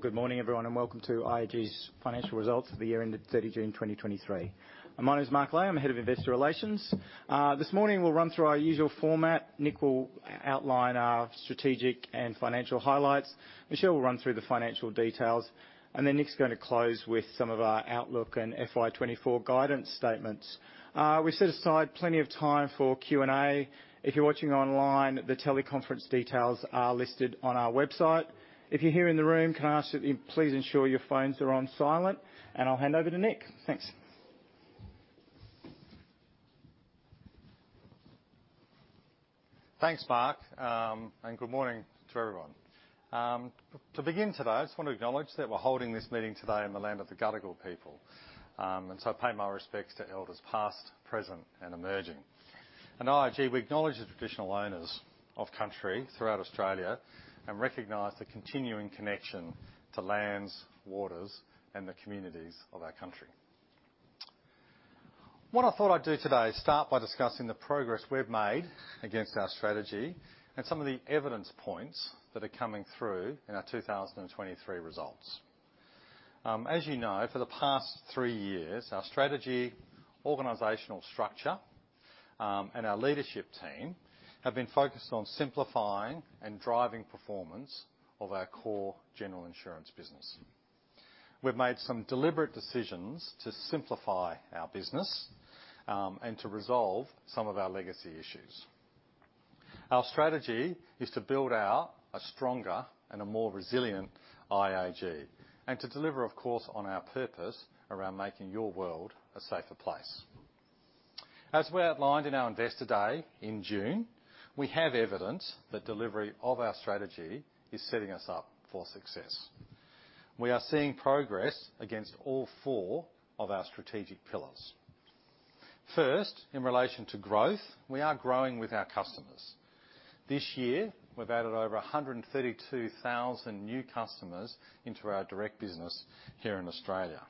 Good morning, everyone, and welcome to IAG's financial results for the year ended 30 June 2023. My name is Mark Ley, I'm Head of Investor Relations. This morning we'll run through our usual format. Nick will outline our strategic and financial highlights. Michelle will run through the financial details, and then Nick's going to close with some of our outlook and FY24 guidance statements. We set aside plenty of time for Q&A. If you're watching online, the teleconference details are listed on our website. If you're here in the room, can I ask that you please ensure your phones are on silent, I'll hand over to Nick. Thanks. Thanks, Mark, and good morning to everyone. To begin today, I just want to acknowledge that we're holding this meeting today in the land of the Gadigal. So I pay my respects to elders past, present, and emerging. At IAG, we acknowledge the traditional owners of country throughout Australia and recognize the continuing connection to lands, waters, and the communities of our country. What I thought I'd do today is start by discussing the progress we've made against our strategy and some of the evidence points that are coming through in our 2023 results. As you know, for the past three years, our strategy, organizational structure, and our leadership team have been focused on simplifying and driving performance of our core general insurance business. We've made some deliberate decisions to simplify our business, and to resolve some of our legacy issues. Our strategy is to build out a stronger and a more resilient IAG, and to deliver, of course, on our purpose around making your world a safer place. As we outlined in our Investor Day in June, we have evidence that delivery of our strategy is setting us up for success. We are seeing progress against all four of our strategic pillars. First, in relation to growth, we are growing with our customers. This year, we've added over 132,000 new customers into our direct business here in Australia.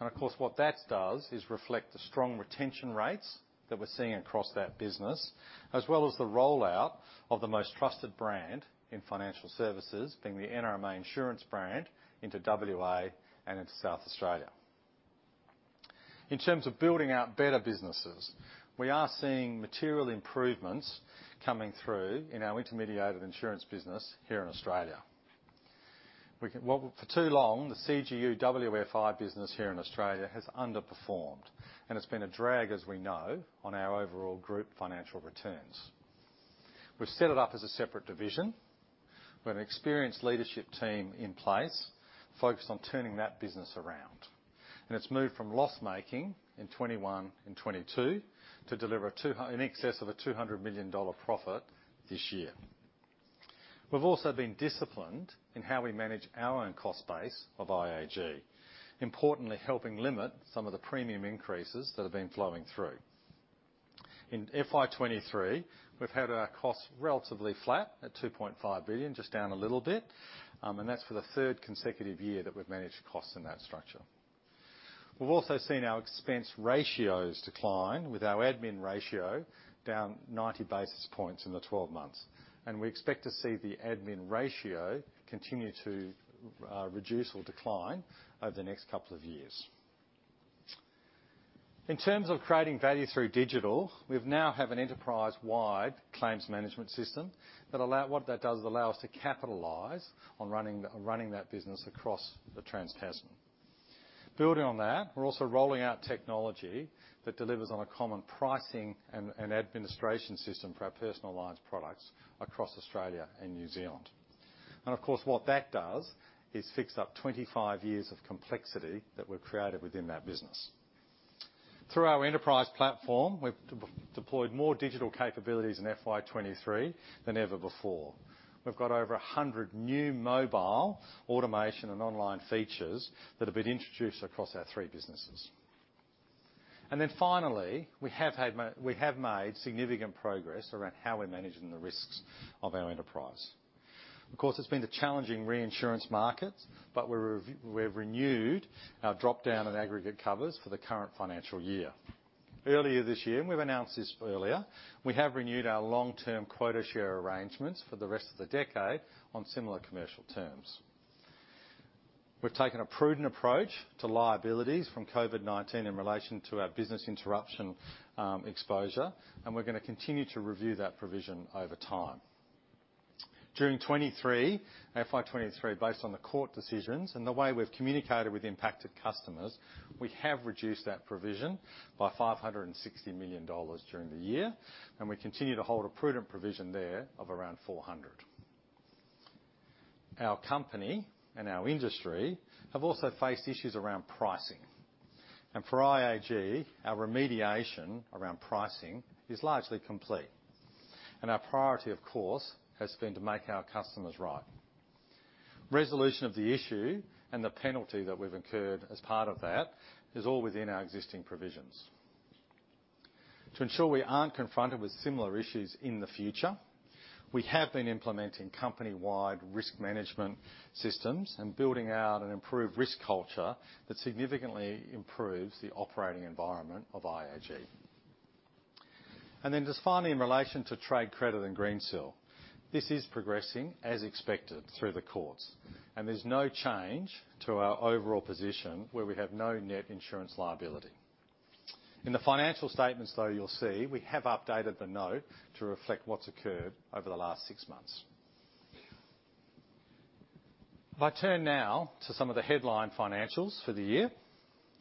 Of course, what that does is reflect the strong retention rates that we're seeing across that business, as well as the rollout of the most trusted brand in financial services, being the NRMA Insurance brand, into WA and into South Australia. In terms of building out better businesses, we are seeing material improvements coming through in our intermediated insurance business here in Australia. Well, for too long, the CGU WFI business here in Australia has underperformed, and it's been a drag, as we know, on our overall group financial returns. We've set it up as a separate division. We've an experienced leadership team in place focused on turning that business around, and it's moved from loss-making in 2021 and 2022 to deliver in excess of an 200 million dollar profit this year. We've also been disciplined in how we manage our own cost base of IAG, importantly, helping limit some of the premium increases that have been flowing through. In FY23, we've had our costs relatively flat at 2.5 billion, just down a little bit, and that's for the third consecutive year that we've managed costs in that structure. We've also seen our expense ratios decline with our admin ratio down 90 basis points in the 12 months, and we expect to see the admin ratio continue to reduce or decline over the next couple of years. In terms of creating value through digital, we've now have an enterprise-wide claims management system that allow... What that does, is allow us to capitalize on running, running that business across the TransTasman. Building on that, we're also rolling out technology that delivers on a common pricing and, and administration system for our personal lines products across Australia and New Zealand. Of course, what that does is fix up 25 years of complexity that we've created within that business. Through our Enterprise platform, we've deployed more digital capabilities in FY23 than ever before. We've got over 100 new mobile, automation, and online features that have been introduced across our three businesses. Then finally, we have made significant progress around how we're managing the risks of our enterprise. Of course, it's been a challenging reinsurance market, but we've renewed our drop-down and aggregate covers for the current financial year. Earlier this year, and we've announced this earlier, we have renewed our long-term quota share arrangements for the rest of the decade on similar commercial terms. We've taken a prudent approach to liabilities from COVID-19 in relation to our business interruption exposure, and we're going to continue to review that provision over time. During 23, FY23, based on the court decisions and the way we've communicated with impacted customers, we have reduced that provision by 560 million dollars during the year, and we continue to hold a prudent provision there of around 400 million. Our company and our industry have also faced issues around pricing, and for IAG, our remediation around pricing is largely complete, and our priority, of course, has been to make our customers right. Resolution of the issue and the penalty that we've incurred as part of that is all within our existing provisions. To ensure we aren't confronted with similar issues in the future, we have been implementing company-wide risk management systems and building out an improved risk culture that significantly improves the operating environment of IAG. Then just finally, in relation to trade credit and Greensill, this is progressing as expected through the courts, and there's no change to our overall position where we have no net insurance liability. In the financial statements, though, you'll see we have updated the note to reflect what's occurred over the last six months. If I turn now to some of the headline financials for the year,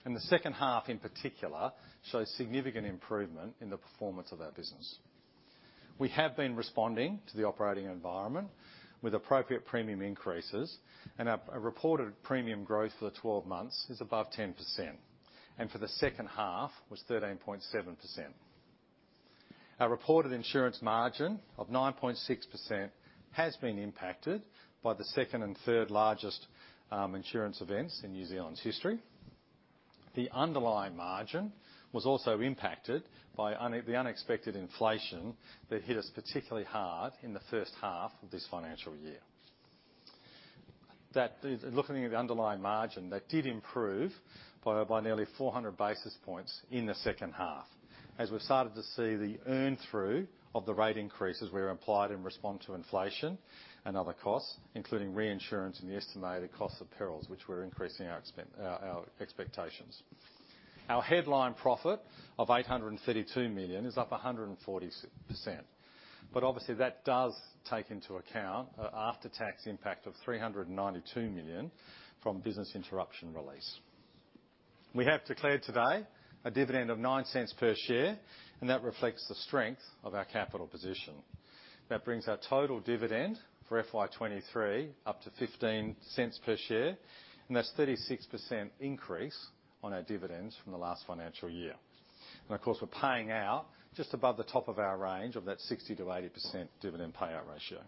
the second half, in particular, shows significant improvement in the performance of our business. We have been responding to the operating environment with appropriate premium increases, and our, our reported premium growth for the 12 months is above 10%, and for the second half was 13.7%. Our reported insurance margin of 9.6% has been impacted by the second and third largest insurance events in New Zealand's history. The underlying margin was also impacted by the unexpected inflation that hit us particularly hard in the first half of this financial year. That, looking at the underlying margin, that did improve by, by nearly 400 basis points in the second half, as we've started to see the earn through of the rate increases we applied in response to inflation and other costs, including reinsurance and the estimated cost of perils, which we're increasing our our expectations. Our headline profit of 832 million is up 140%, but obviously that does take into account an after-tax impact of 392 million from Business Interruption release. We have declared today a dividend of 0.09 per share, and that reflects the strength of our capital position. That brings our total dividend for FY23 up to 0.15 per share, and that's 36% increase on our dividends from the last financial year. Of course, we're paying out just above the top of our range of that 60%-80% dividend payout ratio.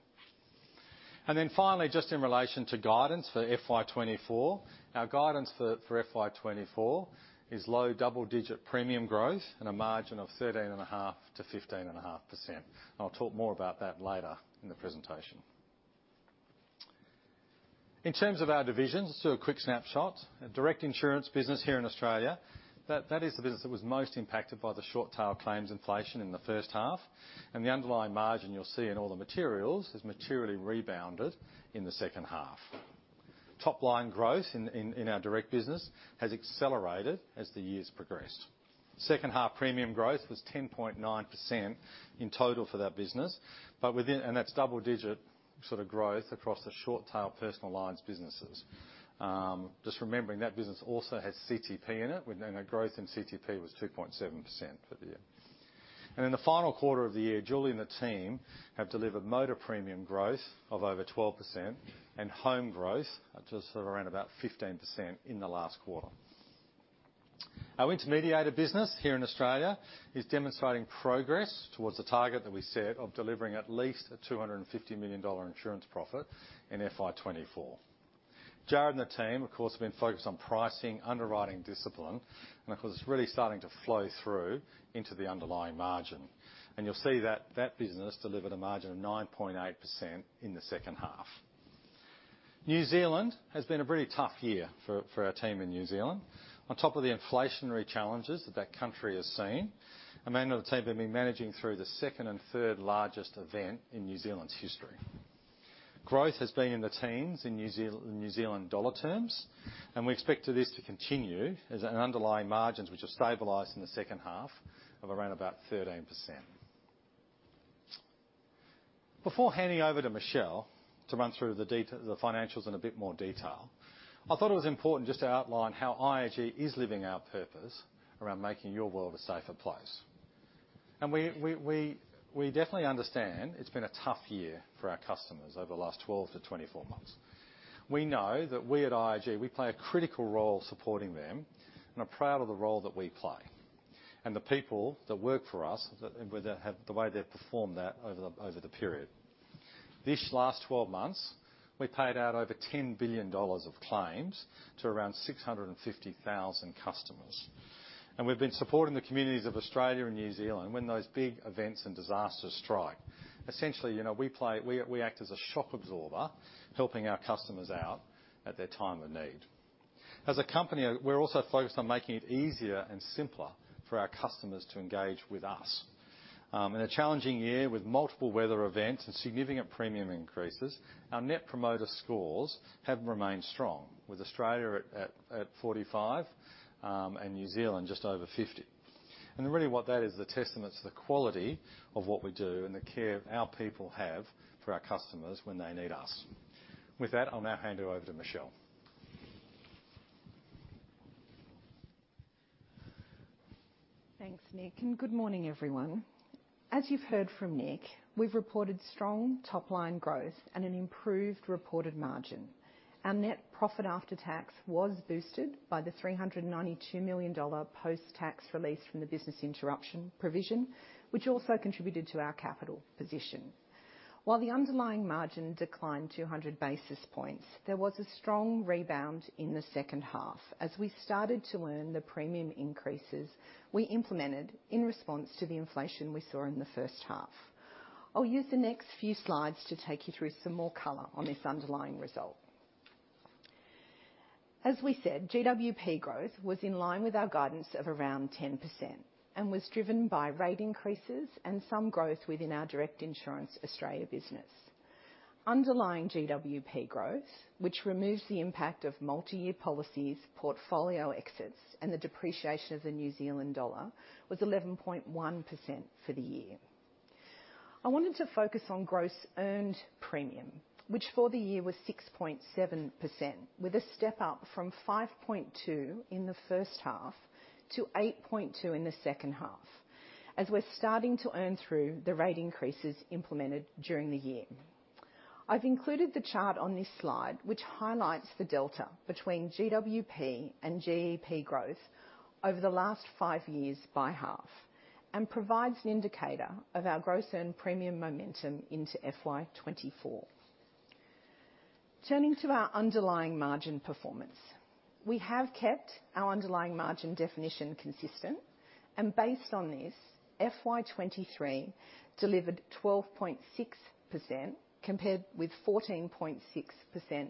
Finally, just in relation to guidance for FY24, our guidance for FY24 is low double-digit premium growth and a margin of 13.5%-15.5%. I'll talk more about that later in the presentation. In terms of our divisions, just a quick snapshot. Direct insurance business here in Australia, that is the business that was most impacted by the short tail claims inflation in the first half, and the underlying margin you'll see in all the materials, has materially rebounded in the second half. Top line growth in our direct business has accelerated as the years progress. Second half premium growth was 10.9% in total for that business, and that's double digit sort of growth across the short tail personal lines businesses. Just remembering that business also has CTP in it, and our growth in CTP was 2.7% for the year. In the final quarter of the year, Julie and the team have delivered motor premium growth of over 12% and home growth just sort of around about 15% in the last quarter. Our intermediator business here in Australia is demonstrating progress towards the target that we set of delivering at least an 250 million dollar insurance profit in FY24. Jarrod and the team, of course, have been focused on pricing, underwriting discipline, and of course, it's really starting to flow through into the underlying margin. You'll see that that business delivered a margin of 9.8% in the second half. New Zealand has been a pretty tough year for our team in New Zealand. On top of the inflationary challenges that that country has seen, Amanda and the team have been managing through the second and third largest event in New Zealand's history. Growth has been in the teens in New Zealand dollar terms, we expect this to continue as an underlying margins, which have stabilized in the second half of around about 13%. Before handing over to Michelle to run through the financials in a bit more detail, I thought it was important just to outline how IAG is living our purpose around making your world a safer place. We, we, we, we definitely understand it's been a tough year for our customers over the last 12-24 months. We know that we at IAG, we play a critical role supporting them and are proud of the role that we play, and the people that work for us, the way they've performed that over the period. This last 12 months, we paid out over 10 billion dollars of claims to around 650,000 customers. We've been supporting the communities of Australia and New Zealand when those big events and disasters strike. Essentially, you know, we act as a shock absorber, helping our customers out at their time of need. As a company, we're also focused on making it easier and simpler for our customers to engage with us. In a challenging year, with multiple weather events and significant premium increases, our Net Promoter Score have remained strong, with Australia at 45, and New Zealand just over 50. Really what that is, is a testament to the quality of what we do and the care our people have for our customers when they need us. With that, I'll now hand it over to Michelle. Thanks, Nick, and good morning, everyone. As you've heard from Nick, we've reported strong top-line growth and an improved reported margin. Our net profit after tax was boosted by the 392 million dollar post-tax release from the Business Interruption provision, which also contributed to our capital position. While the underlying margin declined 200 basis points, there was a strong rebound in the second half as we started to earn the premium increases we implemented in response to the inflation we saw in the first half. I'll use the next few slides to take you through some more color on this underlying result. As we said, GWP growth was in line with our guidance of around 10%, and was driven by rate increases and some growth within our Direct Insurance Australia business. Underlying GWP growth, which removes the impact of multi-year policies, portfolio exits, and the depreciation of the New Zealand dollar, was 11.1% for the year. I wanted to focus on gross earned premium, which for the year was 6.7%, with a step up from 5.2 in the first half to 8.2 in the second half, as we're starting to earn through the rate increases implemented during the year. I've included the chart on this slide, which highlights the delta between GWP and GEP growth over the last five years by half, and provides an indicator of our gross earned premium momentum into FY24. Turning to our underlying margin performance. We have kept our underlying margin definition consistent, and based on this, FY23 delivered 12.6%, compared with 14.6%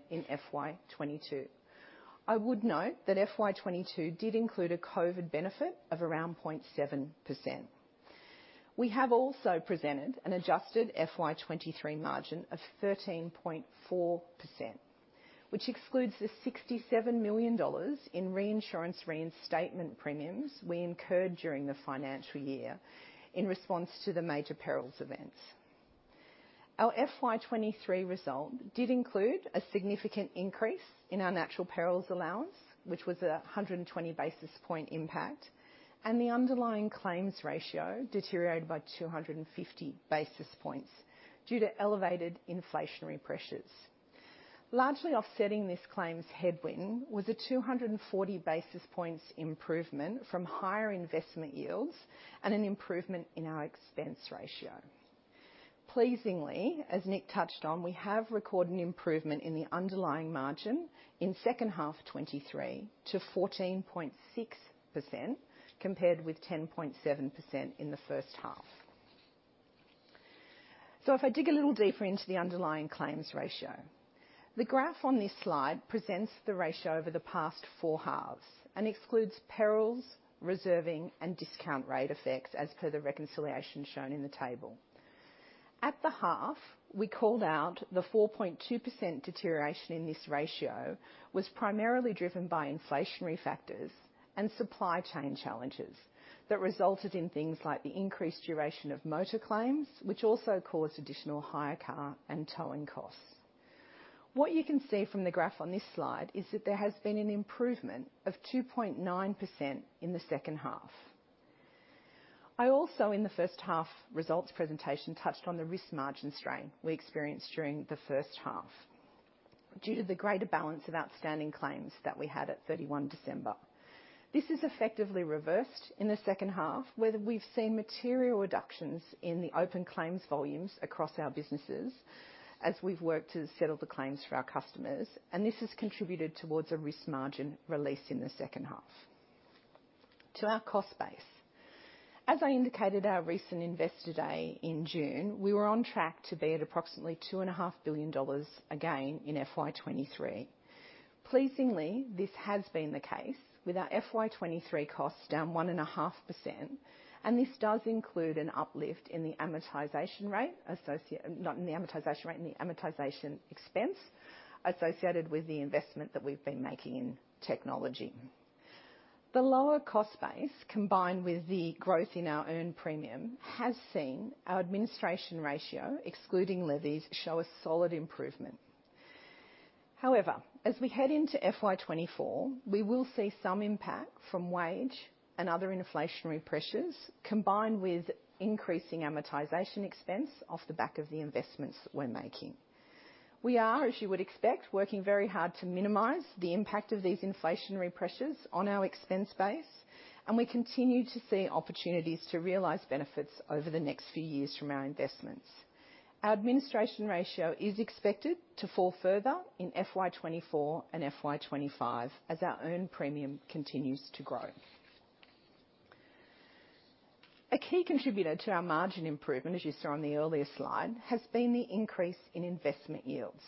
in FY22. I would note that FY22 did include a COVID benefit of around 0.7%. We have also presented an adjusted FY23 margin of 13.4%, which excludes the 67 million dollars in reinsurance reinstatement premiums we incurred during the financial year in response to the major perils events. Our FY23 result did include a significant increase in our natural perils allowance, which was a 120 basis point impact, and the underlying claims ratio deteriorated by 250 basis points due to elevated inflationary pressures. Largely offsetting this claim's headwind was a 240 basis points improvement from higher investment yields and an improvement in our expense ratio. Pleasingly, as Nick touched on, we have recorded an improvement in the underlying margin in second half 2023 to 14.6%, compared with 10.7% in the first half. If I dig a little deeper into the underlying claims ratio, the graph on this slide presents the ratio over the past 4 halves and excludes perils, reserving, and discount rate effects, as per the reconciliation shown in the table. At the half, we called out the 4.2% deterioration in this ratio was primarily driven by inflationary factors and supply chain challenges that resulted in things like the increased duration of motor claims, which also caused additional hire car and towing costs. What you can see from the graph on this slide is that there has been an improvement of 2.9% in the second half. I also, in the first half results presentation, touched on the risk margin strain we experienced during the first half due to the greater balance of outstanding claims that we had at 31 December. This is effectively reversed in the second half, where we've seen material reductions in the open claims volumes across our businesses as we've worked to settle the claims for our customers, and this has contributed towards a risk margin release in the second half. To our cost base. As I indicated, our recent Investor Day in June, we were on track to be at approximately 2.5 billion dollars again in FY23. Pleasingly, this has been the case, with our FY23 costs down 1.5%, this does include an uplift in the amortization rate not in the amortization rate, in the amortization expense associated with the investment that we've been making in technology. The lower cost base, combined with the growth in our earned premium, has seen our administration ratio, excluding levies, show a solid improvement. However, as we head into FY24, we will see some impact from wage and other inflationary pressures, combined with increasing amortization expense off the back of the investments we're making. We are, as you would expect, working very hard to minimize the impact of these inflationary pressures on our expense base, we continue to see opportunities to realize benefits over the next few years from our investments. Our administration ratio is expected to fall further in FY24 and FY25 as our earned premium continues to grow. A key contributor to our margin improvement, as you saw on the earlier slide, has been the increase in investment yields.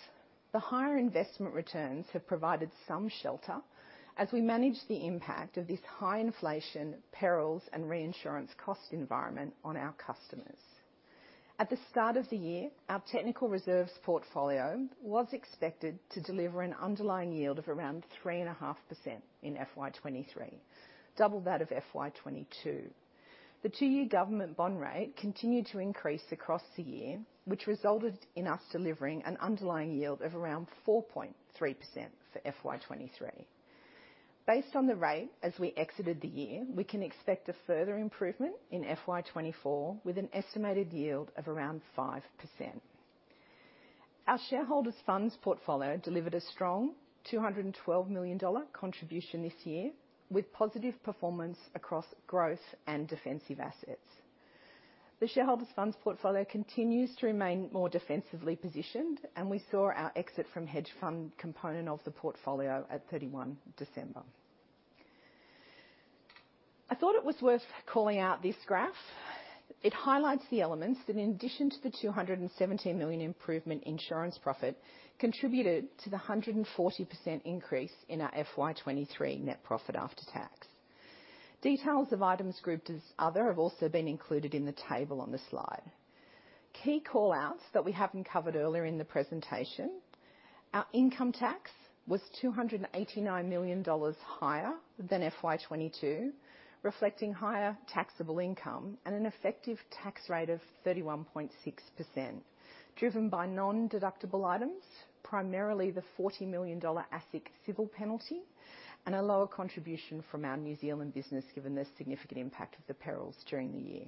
The higher investment returns have provided some shelter as we manage the impact of this high inflation perils and reinsurance cost environment on our customers. At the start of the year, our technical reserves portfolio was expected to deliver an underlying yield of around 3.5% in FY23, double that of FY22. The two-year government bond rate continued to increase across the year, which resulted in us delivering an underlying yield of around 4.3% for FY23. Based on the rate as we exited the year, we can expect a further improvement in FY24, with an estimated yield of around 5%. Our shareholders funds portfolio delivered a strong 212 million dollar contribution this year, with positive performance across growth and defensive assets. The shareholders funds portfolio continues to remain more defensively positioned. We saw our exit from hedge fund component of the portfolio at 31 December. I thought it was worth calling out this graph. It highlights the elements that, in addition to the 217 million improvement insurance profit, contributed to the 140% increase in our FY23 net profit after tax. Details of items grouped as Other have also been included in the table on the slide. Key callouts that we haven't covered earlier in the presentation: Our income tax was 289 million dollars higher than FY22, reflecting higher taxable income and an effective tax rate of 31.6%, driven by nondeductible items, primarily the 40 million dollar asset civil penalty, and a lower contribution from our New Zealand business, given the significant impact of the perils during the year.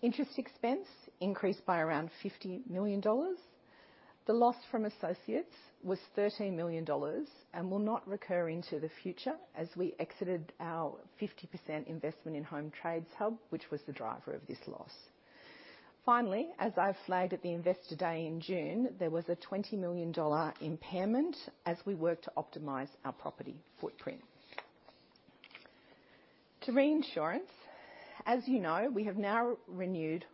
Interest expense increased by around 50 million dollars. The loss from associates was 13 million dollars and will not recur into the future as we exited our 50% investment in Home Trades Hub, which was the driver of this loss. Finally, as I've flagged at the Investor Day in June, there was a AUD 20 million impairment as we work to optimize our property footprint. To reinsurance, as you know, we have now renewed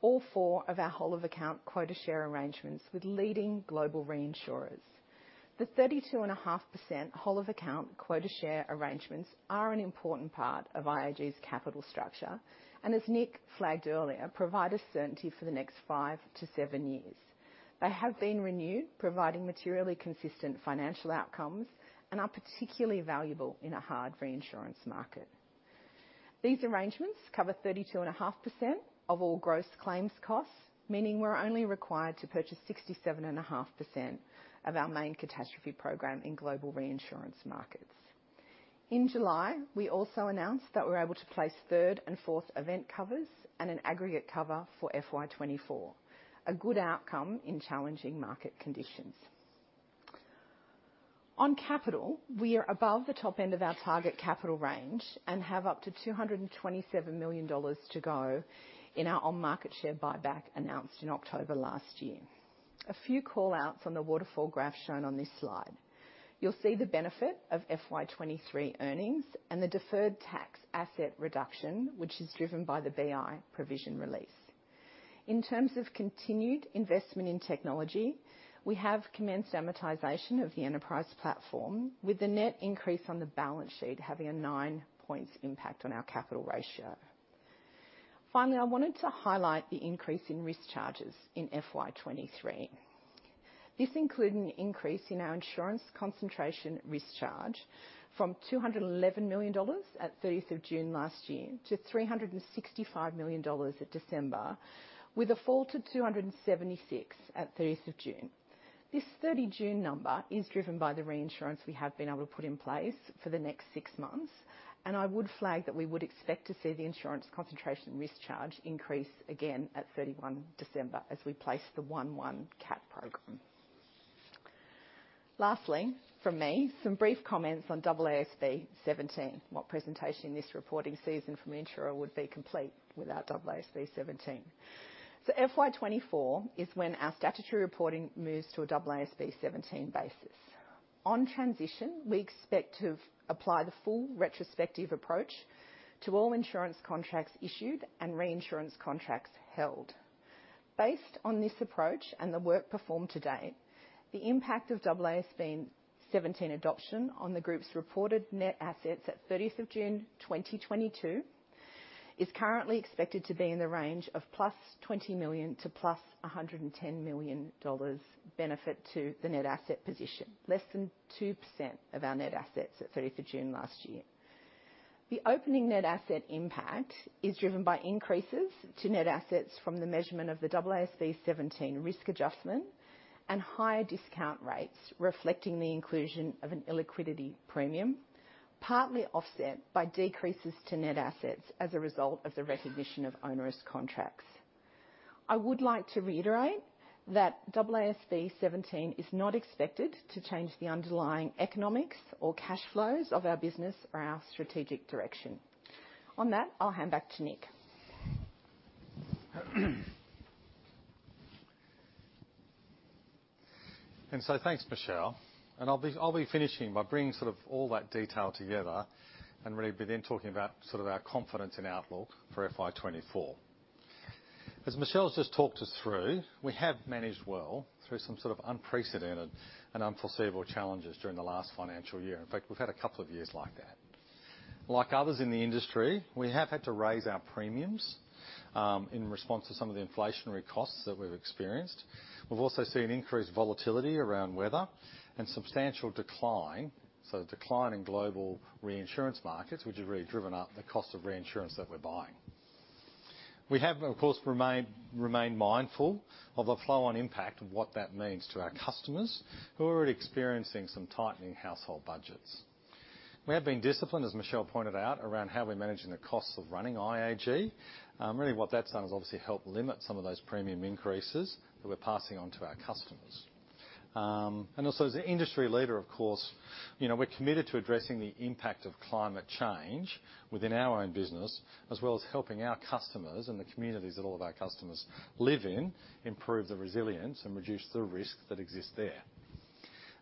all 4 of our whole of account quota share arrangements with leading global reinsurers. The 32.5% whole of account quota share arrangements are an important part of IAG's capital structure, and as Nick flagged earlier, provide a certainty for the next 5-7 years. They have been renewed, providing materially consistent financial outcomes and are particularly valuable in a hard reinsurance market. These arrangements cover 32.5% of all gross claims costs, meaning we're only required to purchase 67.5% of our main catastrophe program in global reinsurance markets. In July, we also announced that we're able to place third and fourth event covers and an aggregate cover for FY24, a good outcome in challenging market conditions. On capital, we are above the top end of our target capital range and have up to 227 million dollars to go in our on-market share buyback announced in October last year. A few callouts on the waterfall graph shown on this slide. You'll see the benefit of FY23 earnings and the deferred tax asset reduction, which is driven by the BI provision release. In terms of continued investment in technology, we have commenced amortization of the enterprise platform, with the net increase on the balance sheet having a 9 points impact on our capital ratio. Finally, I wanted to highlight the increase in risk charges in FY23. This include an increase in our Insurance Concentration Risk Charge from 211 million dollars at thirtieth of June last year to 365 million dollars at December, with a fall to 276 million at thirtieth of June. This 30 June number is driven by the reinsurance we have been able to put in place for the next six months, I would flag that we would expect to see the Insurance Concentration Risk Charge increase again at 31 December as we place the 1/1 CAP program. Lastly, from me, some brief comments on AASB seventeen. What presentation this reporting season from insurer would be complete without AASB seventeen? FY24 is when our statutory reporting moves to a AASB seventeen basis. On transition, we expect to apply the full retrospective approach to all insurance contracts issued and reinsurance contracts held. Based on this approach and the work performed to date, the impact of AASB seventeen adoption on the Group's reported net assets at 30th of June 2022, is currently expected to be in the range of +20 million to +110 million dollars benefit to the net asset position, less than 2% of our net assets at 30th of June last year. The opening net asset impact is driven by increases to net assets from the measurement of the AASB seventeen risk adjustment and higher discount rates, reflecting the inclusion of an illiquidity premium, partly offset by decreases to net assets as a result of the recognition of onerous contracts. I would like to reiterate that AASB seventeen is not expected to change the underlying economics or cash flows of our business or our strategic direction. On that, I'll hand back to Nick. Thanks, Michelle, and I'll be, I'll be finishing by bringing sort of all that detail together and really be then talking about sort of our confidence and outlook for FY24. As Michelle has just talked us through, we have managed well through some sort of unprecedented and unforeseeable challenges during the last financial year. In fact, we've had a couple of years like that. Like others in the industry, we have had to raise our premiums in response to some of the inflationary costs that we've experienced. We've also seen increased volatility around weather and substantial decline, so decline in global reinsurance markets, which has really driven up the cost of reinsurance that we're buying. We have, of course, remained, remained mindful of the flow on impact of what that means to our customers, who are already experiencing some tightening household budgets. We have been disciplined, as Michelle pointed out, around how we're managing the costs of running IAG. Really what that's done is obviously helped limit some of those premium increases that we're passing on to our customers. Also, as an industry leader, of course, you know, we're committed to addressing the impact of climate change within our own business, as well as helping our customers and the communities that all of our customers live in, improve the resilience and reduce the risk that exists there.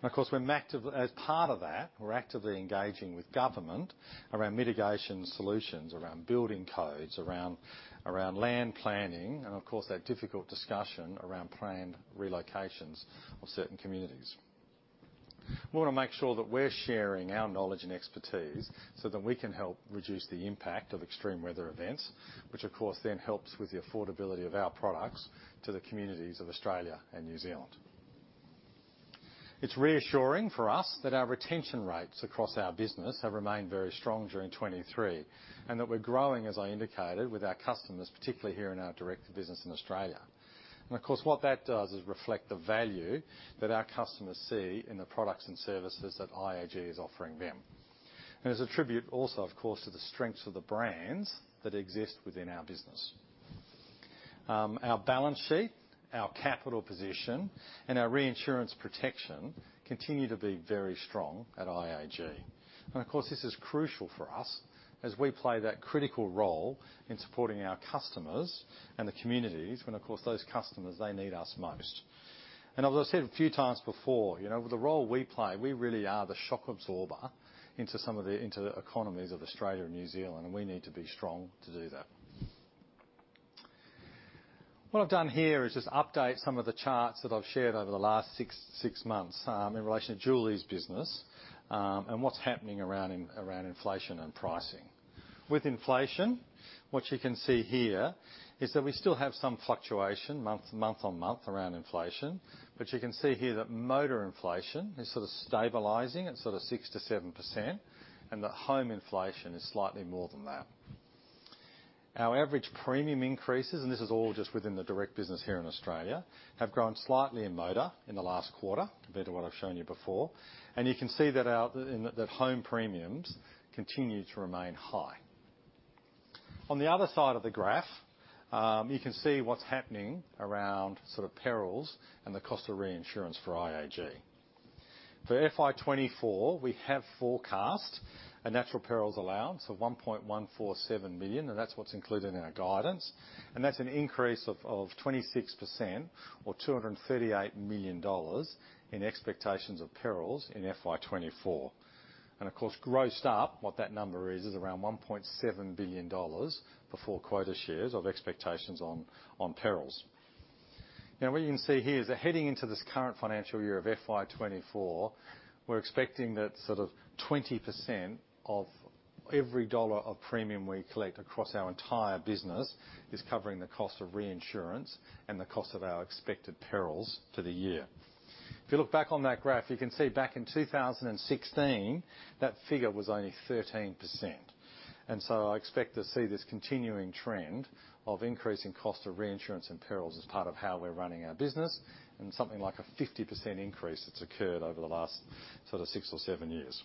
Of course, as part of that, we're actively engaging with government around mitigation solutions, around building codes, around land planning, and of course, that difficult discussion around planned relocations of certain communities. We want to make sure that we're sharing our knowledge and expertise, so that we can help reduce the impact of extreme weather events, which, of course, then helps with the affordability of our products to the communities of Australia and New Zealand. It's reassuring for us that our retention rates across our business have remained very strong during '23, and that we're growing, as I indicated, with our customers, particularly here in our direct business in Australia. Of course, what that does is reflect the value that our customers see in the products and services that IAG is offering them, and is a tribute also, of course, to the strengths of the brands that exist within our business. Our balance sheet, our capital position, and our reinsurance protection continue to be very strong at IAG. Of course, this is crucial for us as we play that critical role in supporting our customers and the communities when, of course, those customers, they need us most. As I've said a few times before, you know, with the role we play, we really are the shock absorber into the economies of Australia and New Zealand, and we need to be strong to do that. What I've done here is just update some of the charts that I've shared over the last six, six months in relation to Julie's business and what's happening around inflation and pricing. With inflation, what you can see here is that we still have some fluctuation month, month on month around inflation, but you can see here that motor inflation is sort of stabilizing at sort of 6%-7%, and that home inflation is slightly more than that. Our average premium increases, and this is all just within the direct business here in Australia, have grown slightly in motor in the last quarter compared to what I've shown you before, and you can see that our that home premiums continue to remain high. On the other side of the graph, you can see what's happening around sort of perils and the cost of reinsurance for IAG. For FY24, we have forecast a natural perils allowance of 1.147 billion, and that's what's included in our guidance, and that's an increase of 26% or 238 million dollars in expectations of perils in FY24. Of course, grossed up, what that number is, is around 1.7 billion dollars before quota shares of expectations on perils. What you can see here is that heading into this current financial year of FY24, we're expecting that sort of 20% of every dollar of premium we collect across our entire business is covering the cost of reinsurance and the cost of our expected perils for the year. If you look back on that graph, you can see back in 2016, that figure was only 13%. So I expect to see this continuing trend of increasing cost of reinsurance and perils as part of how we're running our business, and something like a 50% increase that's occurred over the last sort of six or seven years.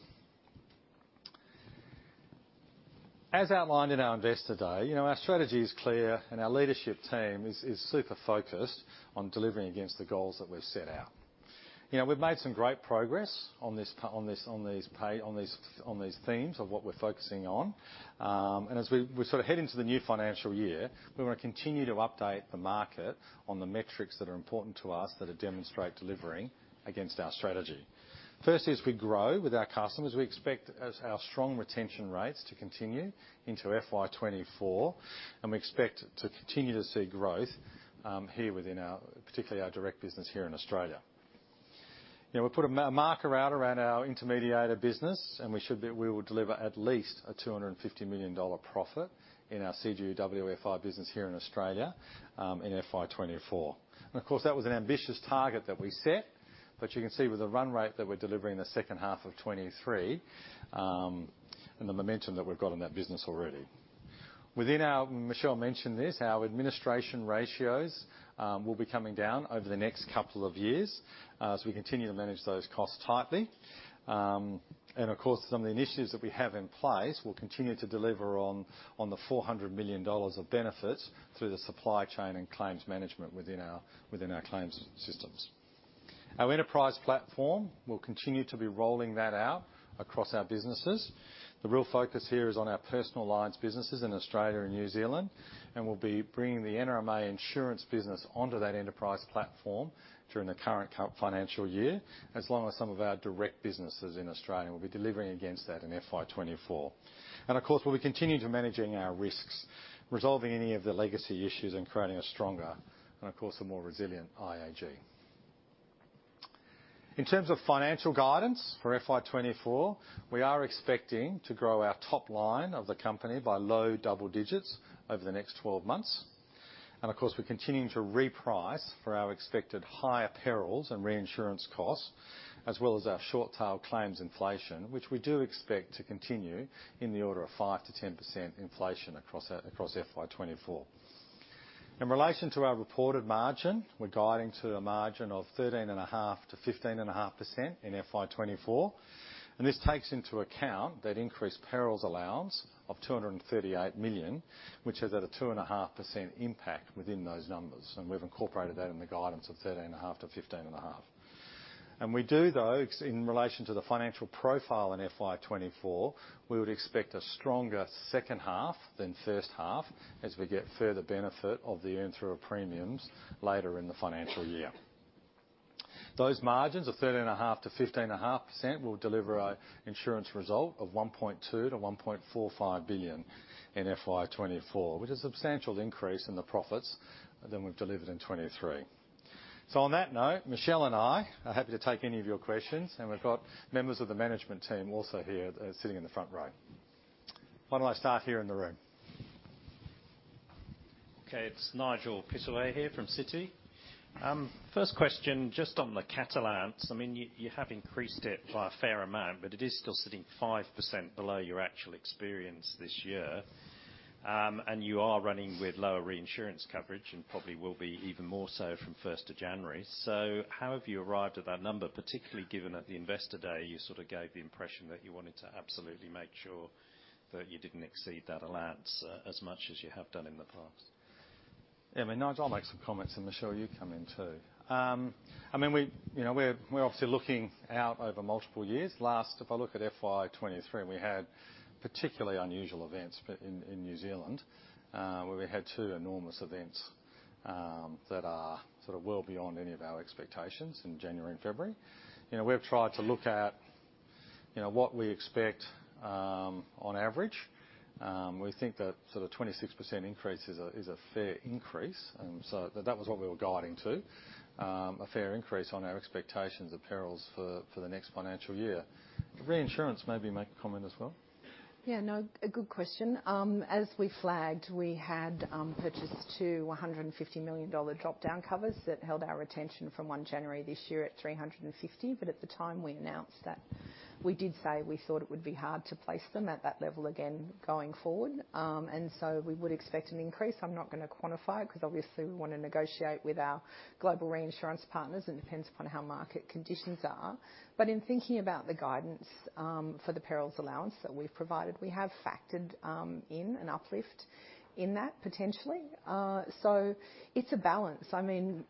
As outlined in our Investor Day, you know, our strategy is clear, and our leadership team is super focused on delivering against the goals that we've set out. You know, we've made some great progress on these themes of what we're focusing on. As we sort of head into the new financial year, we want to continue to update the market on the metrics that are important to us, that are demonstrate delivering against our strategy. Firstly, as we grow with our customers, we expect as our strong retention rates to continue into FY24, and we expect to continue to see growth here within our, particularly our direct business here in Australia. You know, we put a marker out around our intermediator business, and we will deliver at least an 250 million dollar profit in our CGU WFI business here in Australia, in FY24. Of course, that was an ambitious target that we set, but you can see with the run rate that we're delivering in the second half of 2023, and the momentum that we've got in that business already. Within our... Michelle mentioned this, our administration ratios will be coming down over the next couple of years, as we continue to manage those costs tightly. Of course, some of the initiatives that we have in place will continue to deliver on the 400 million dollars of benefits through the supply chain and claims management within our claims systems. Our Enterprise platform, we'll continue to be rolling that out across our businesses. The real focus here is on our personal lines businesses in Australia and New Zealand, and we'll be bringing the NRMA Insurance business onto that Enterprise platform during the current financial year, as long as some of our direct businesses in Australia will be delivering against that in FY24. Of course, we'll be continuing to managing our risks, resolving any of the legacy issues, and creating a stronger and, of course, a more resilient IAG. In terms of financial guidance for FY24, we are expecting to grow our top line of the company by low double digits over the next 12 months. Of course, we're continuing to reprice for our expected higher perils and reinsurance costs, as well as our short tail claims inflation, which we do expect to continue in the order of 5%-10% inflation across FY24. In relation to our reported margin, we're guiding to a margin of 13.5%-15.5% in FY24, and this takes into account that increased perils allowance of 238 million, which is at a 2.5% impact within those numbers, and we've incorporated that in the guidance of 13.5%-15.5%. We do, though. in relation to the financial profile in FY24, we would expect a stronger second half than first half as we get further benefit of the earned through of premiums later in the financial year. Those margins of 13.5%-15.5% will deliver a insurance result of 1.2 billion-1.45 billion in FY24, which is a substantial increase in the profits than we've delivered in 23. On that note, Michelle and I are happy to take any of your questions, and we've got members of the management team also here, sitting in the front row. Why don't I start here in the room? Okay, it's Nigel Pittaway here from Citi. First question, just on the Cat allowance. I mean, you, you have increased it by a fair amount, but it is still sitting 5% below your actual experience this year. You are running with lower reinsurance coverage and probably will be even more so from first of January. How have you arrived at that number, particularly given at the Investor Day, you sort of gave the impression that you wanted to absolutely make sure that you didn't exceed that allowance, as much as you have done in the past? Yeah, I mean, Nigel, I'll make some comments, Michelle, you come in, too. I mean, we, you know, we're, we're obviously looking out over multiple years. Last, if I look at FY23, and we had particularly unusual events, but in, in New Zealand, where we had 2 enormous events, that are sort of well beyond any of our expectations in January and February. You know, we've tried to look at, you know, what we expect, on average. We think that sort of 26% increase is a, is a fair increase, so that was what we were guiding to. A fair increase on our expectations of perils for, for the next financial year. Reinsurance, maybe make a comment as well. Yeah, no, a good question. As we flagged, we had purchased two 150 million dollar drop-down covers that held our retention from 1 January this year at 350. At the time we announced that, we did say we thought it would be hard to place them at that level again going forward. We would expect an increase. I'm not going to quantify it, because obviously we want to negotiate with our global reinsurance partners. It depends upon how market conditions are. In thinking about the guidance, for the perils allowance that we've provided, we have factored in an uplift in that potentially. It's a balance. I mean,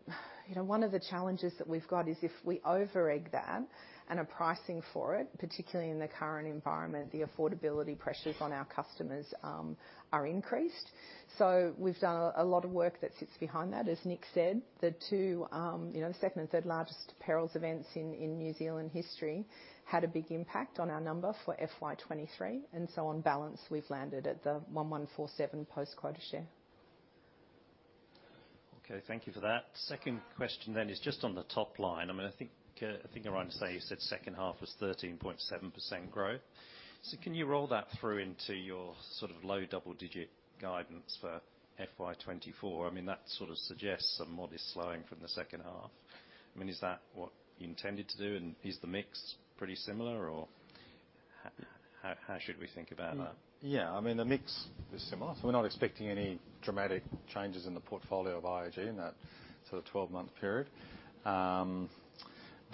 you know, one of the challenges that we've got is if we over-egg that and are pricing for it, particularly in the current environment, the affordability pressures on our customers, are increased. We've done a, a lot of work that sits behind that. As Nick said, the two, you know, the second and third largest perils events in New Zealand history had a big impact on our number for FY23, and so on balance, we've landed at the 1,147 post quota share. Okay, thank you for that. Second question is just on the top line. I mean, I think, I think you're right to say you said second half was 13.7% growth. Can you roll that through into your sort of low double-digit guidance for FY24? I mean, that sort of suggests a modest slowing from the second half. I mean, is that what you intended to do, and is the mix pretty similar, or how, how should we think about that? Yeah, I mean, the mix is similar, so we're not expecting any dramatic changes in the portfolio of IAG in that sort of 12-month period. That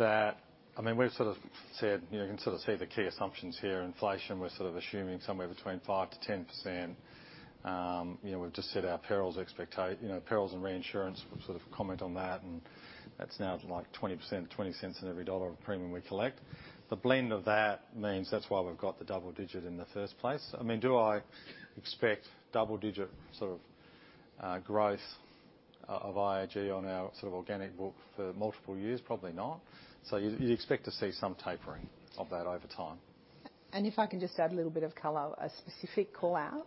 I mean, we've sort of said, you know, you can sort of see the key assumptions here. Inflation, we're sort of assuming somewhere between 5%-10%. You know, we've just set our perils, you know, perils and reinsurance, we'll sort of comment on that, and that's now to, like, 20%, 0.20 in every dollar of premium we collect. The blend of that means that's why we've got the double digit in the first place. I mean, do I expect double-digit sort of growth of IAG on our sort of organic book for multiple years? Probably not. You'd, you'd expect to see some tapering of that over time. If I can just add a little bit of color, a specific call-out.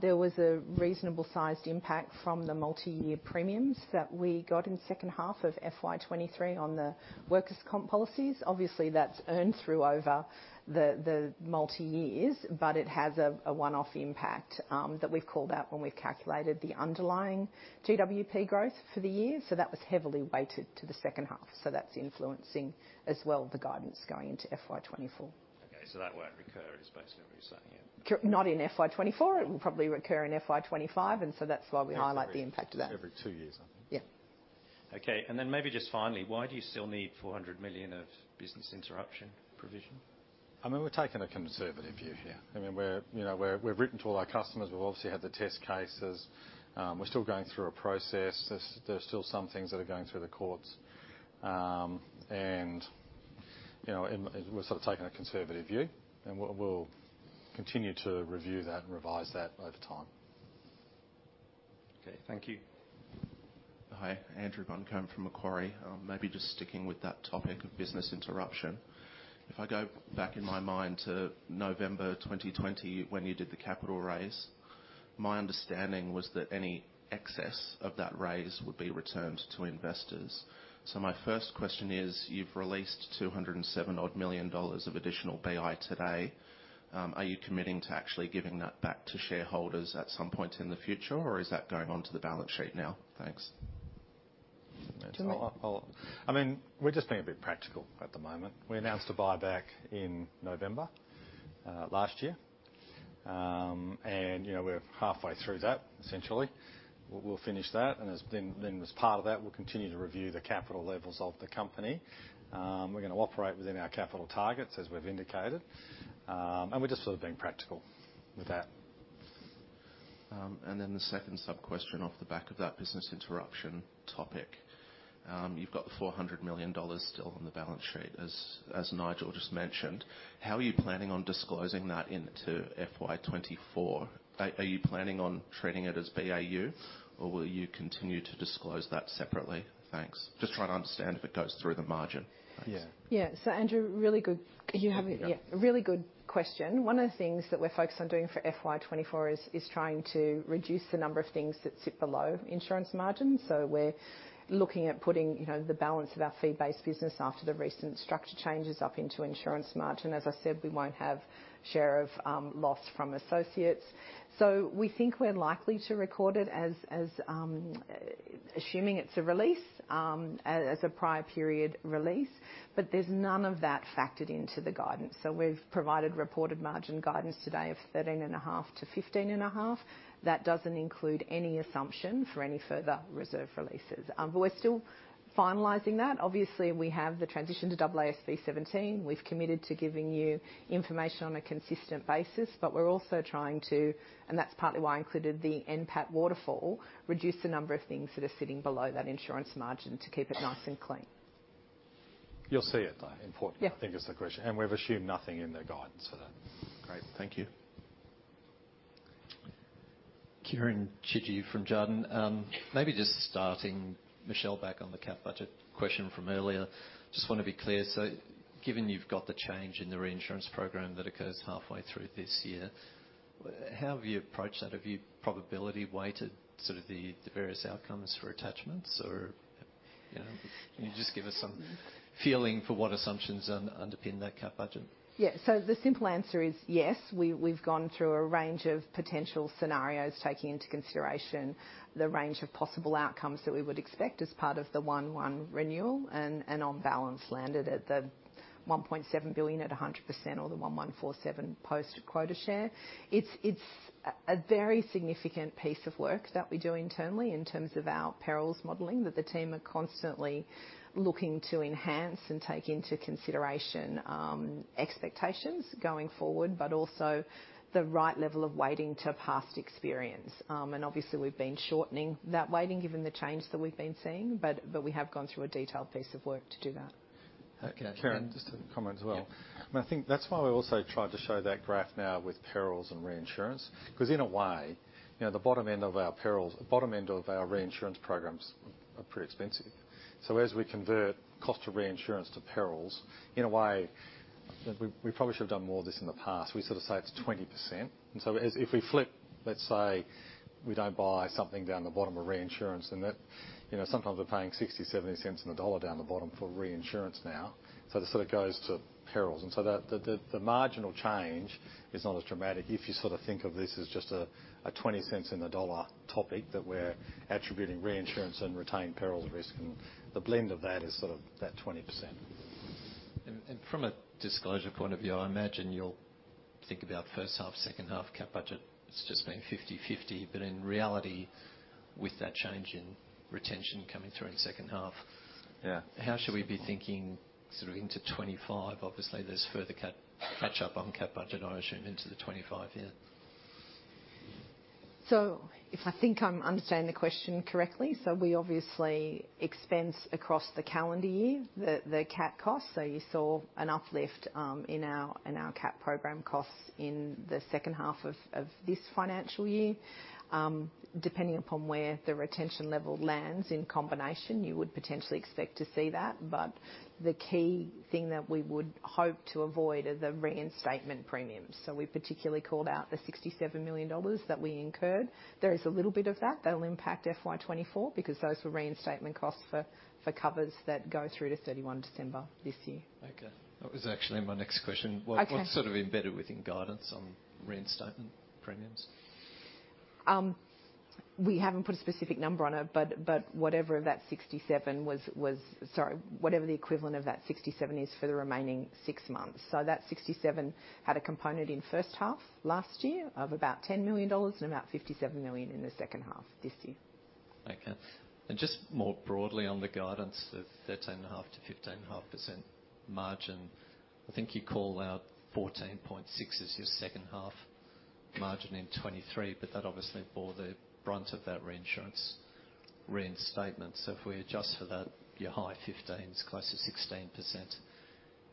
There was a reasonable-sized impact from the multi-year premiums that we got in the second half of FY23 on the workers' comp policies. Obviously, that's earned through over the, the multi-years, but it has a one-off impact that we've called out when we've calculated the underlying GWP growth for the year. That was heavily weighted to the second half. That's influencing as well, the guidance going into FY24. Okay, that won't recur is basically what you're saying here? Not in FY24. It will probably recur in FY25, and so that's why we highlight the impact of that. Every two years, I think. Yeah. Okay, then maybe just finally, why do you still need 400 million of Business Interruption provision? I mean, we're taking a conservative view here. I mean, we're, you know, we're, we've written to all our customers. We've obviously had the test cases. We're still going through a process. There's, there are still some things that are going through the courts. You know, and, and we're sort of taking a conservative view, and we'll, we'll continue to review that and revise that over time. Okay, thank you. Hi, Andrew Buncombe from Macquarie. Maybe just sticking with that topic of Business Interruption. If I go back in my mind to November 2020, when you did the capital raise, my understanding was that any excess of that raise would be returned to investors. My first question is: you've released 207 odd million of additional BI today. Are you committing to actually giving that back to shareholders at some point in the future, or is that going onto the balance sheet now? Thanks. To Nick. I mean, we're just being a bit practical at the moment. We announced a buyback in November, last year. You know, we're halfway through that, essentially. We'll, we'll finish that, and as then, then as part of that, we'll continue to review the capital levels of the company. We're going to operate within our capital targets, as we've indicated. We're just sort of being practical with that. and then the second sub-question off the back of that Business Interruption topic. You've got the 400 million dollars still on the balance sheet, as Nigel just mentioned. How are you planning on disclosing that into FY24? Are you planning on treating it as BAU, or will you continue to disclose that separately? Thanks. Just trying to understand if it goes through the margin. Thanks. Yeah. Yeah. Andrew, really good. You have. Yeah. Really good question. One of the things that we're focused on doing for FY24 is trying to reduce the number of things that sit below insurance margin. We're looking at putting, you know, the balance of our fee-based business after the recent structure changes up into insurance margin. As I said, we won't have share of loss from associates. We think we're likely to record it as assuming it's a release as a prior period release, but there's none of that factored into the guidance. We've provided reported margin guidance today of 13.5%-15.5%. That doesn't include any assumption for any further reserve releases. We're still finalizing that. Obviously, we have the transition to double AASB seventeen. We've committed to giving you information on a consistent basis, but we're also trying to, and that's partly why I included the NPAT waterfall, reduce the number of things that are sitting below that insurance margin to keep it nice and clean. You'll see it, though, in fourth- Yeah I think is the question. We've assumed nothing in the guidance for that. Great. Thank you. Kieren Chidgey from Jarden. Maybe just starting, Michelle, back on the cat budget question from earlier. Just want to be clear: so given you've got the change in the reinsurance program that occurs halfway through this year, how have you approached that? Have you probability weighted sort of the, the various outcomes for attachments, or, you know, can you just give us some feeling for what assumptions underpin that cat budget? Yeah. The simple answer is yes. We, we've gone through a range of potential scenarios, taking into consideration the range of possible outcomes that we would expect as part of the 1/1 renewal, and on balance, landed at the 1.7 billion at 100% or the 1,147 post-quota share. It's, it's a very significant piece of work that we do internally in terms of our perils modeling, that the team are constantly looking to enhance and take into consideration expectations going forward, but also the right level of weighting to past experience. Obviously, we've been shortening that weighting given the change that we've been seeing, but we have gone through a detailed piece of work to do that. Okay. Yeah. Kieran, just a comment as well. Yeah. I think that's why we also tried to show that graph now with perils and reinsurance, because in a way, you know, the bottom end of our perils, the bottom end of our reinsurance programs are pretty expensive. As we convert cost of reinsurance to perils, in a way, we, we probably should have done more of this in the past. We sort of say it's 20%, if we flip, let's say, we don't buy something down the bottom of reinsurance, and that, you know, sometimes we're paying 0.60-0.70 on the dollar down the bottom for reinsurance now, so that sort of goes to perils. So the, the, the marginal change is not as dramatic if you sort of think of this as just a, a 0.20 in the dollar topic that we're attributing reinsurance and retained perils risk, and the blend of that is sort of that 20%. And from a disclosure point of view, I imagine you'll think about first half, second half cat budget, it's just been 50/50, but in reality, with that change in retention coming through in the second half. Yeah... how should we be thinking sort of into 2025? Obviously, there's further cat catch up on cat budget, I assume, into the 2025 year. If I think I'm understanding the question correctly, we obviously expense across the calendar year, the cat costs. You saw an uplift in our cat program costs in the second half of this financial year. Depending upon where the retention level lands in combination, you would potentially expect to see that, but the key thing that we would hope to avoid are the reinstatement premiums. We particularly called out the 67 million dollars that we incurred. There is a little bit of that, that'll impact FY24, because those were reinstatement costs for covers that go through to 31 December this year. Okay. That was actually my next question. Okay. What, what's sort of embedded within guidance on reinstatement premiums? We haven't put a specific number on it, but whatever that 67 was. Sorry, whatever the equivalent of that 67 is for the remaining six months. That 67 had a component in first half last year of about 10 million dollars and about 57 million in the second half this year. Okay. Just more broadly on the guidance of 13.5%-15.5% margin, I think you called out 14.6 as your second half margin in 2023, but that obviously bore the brunt of that reinsurance reinstatement. If we adjust for that, your high 15s, close to 16%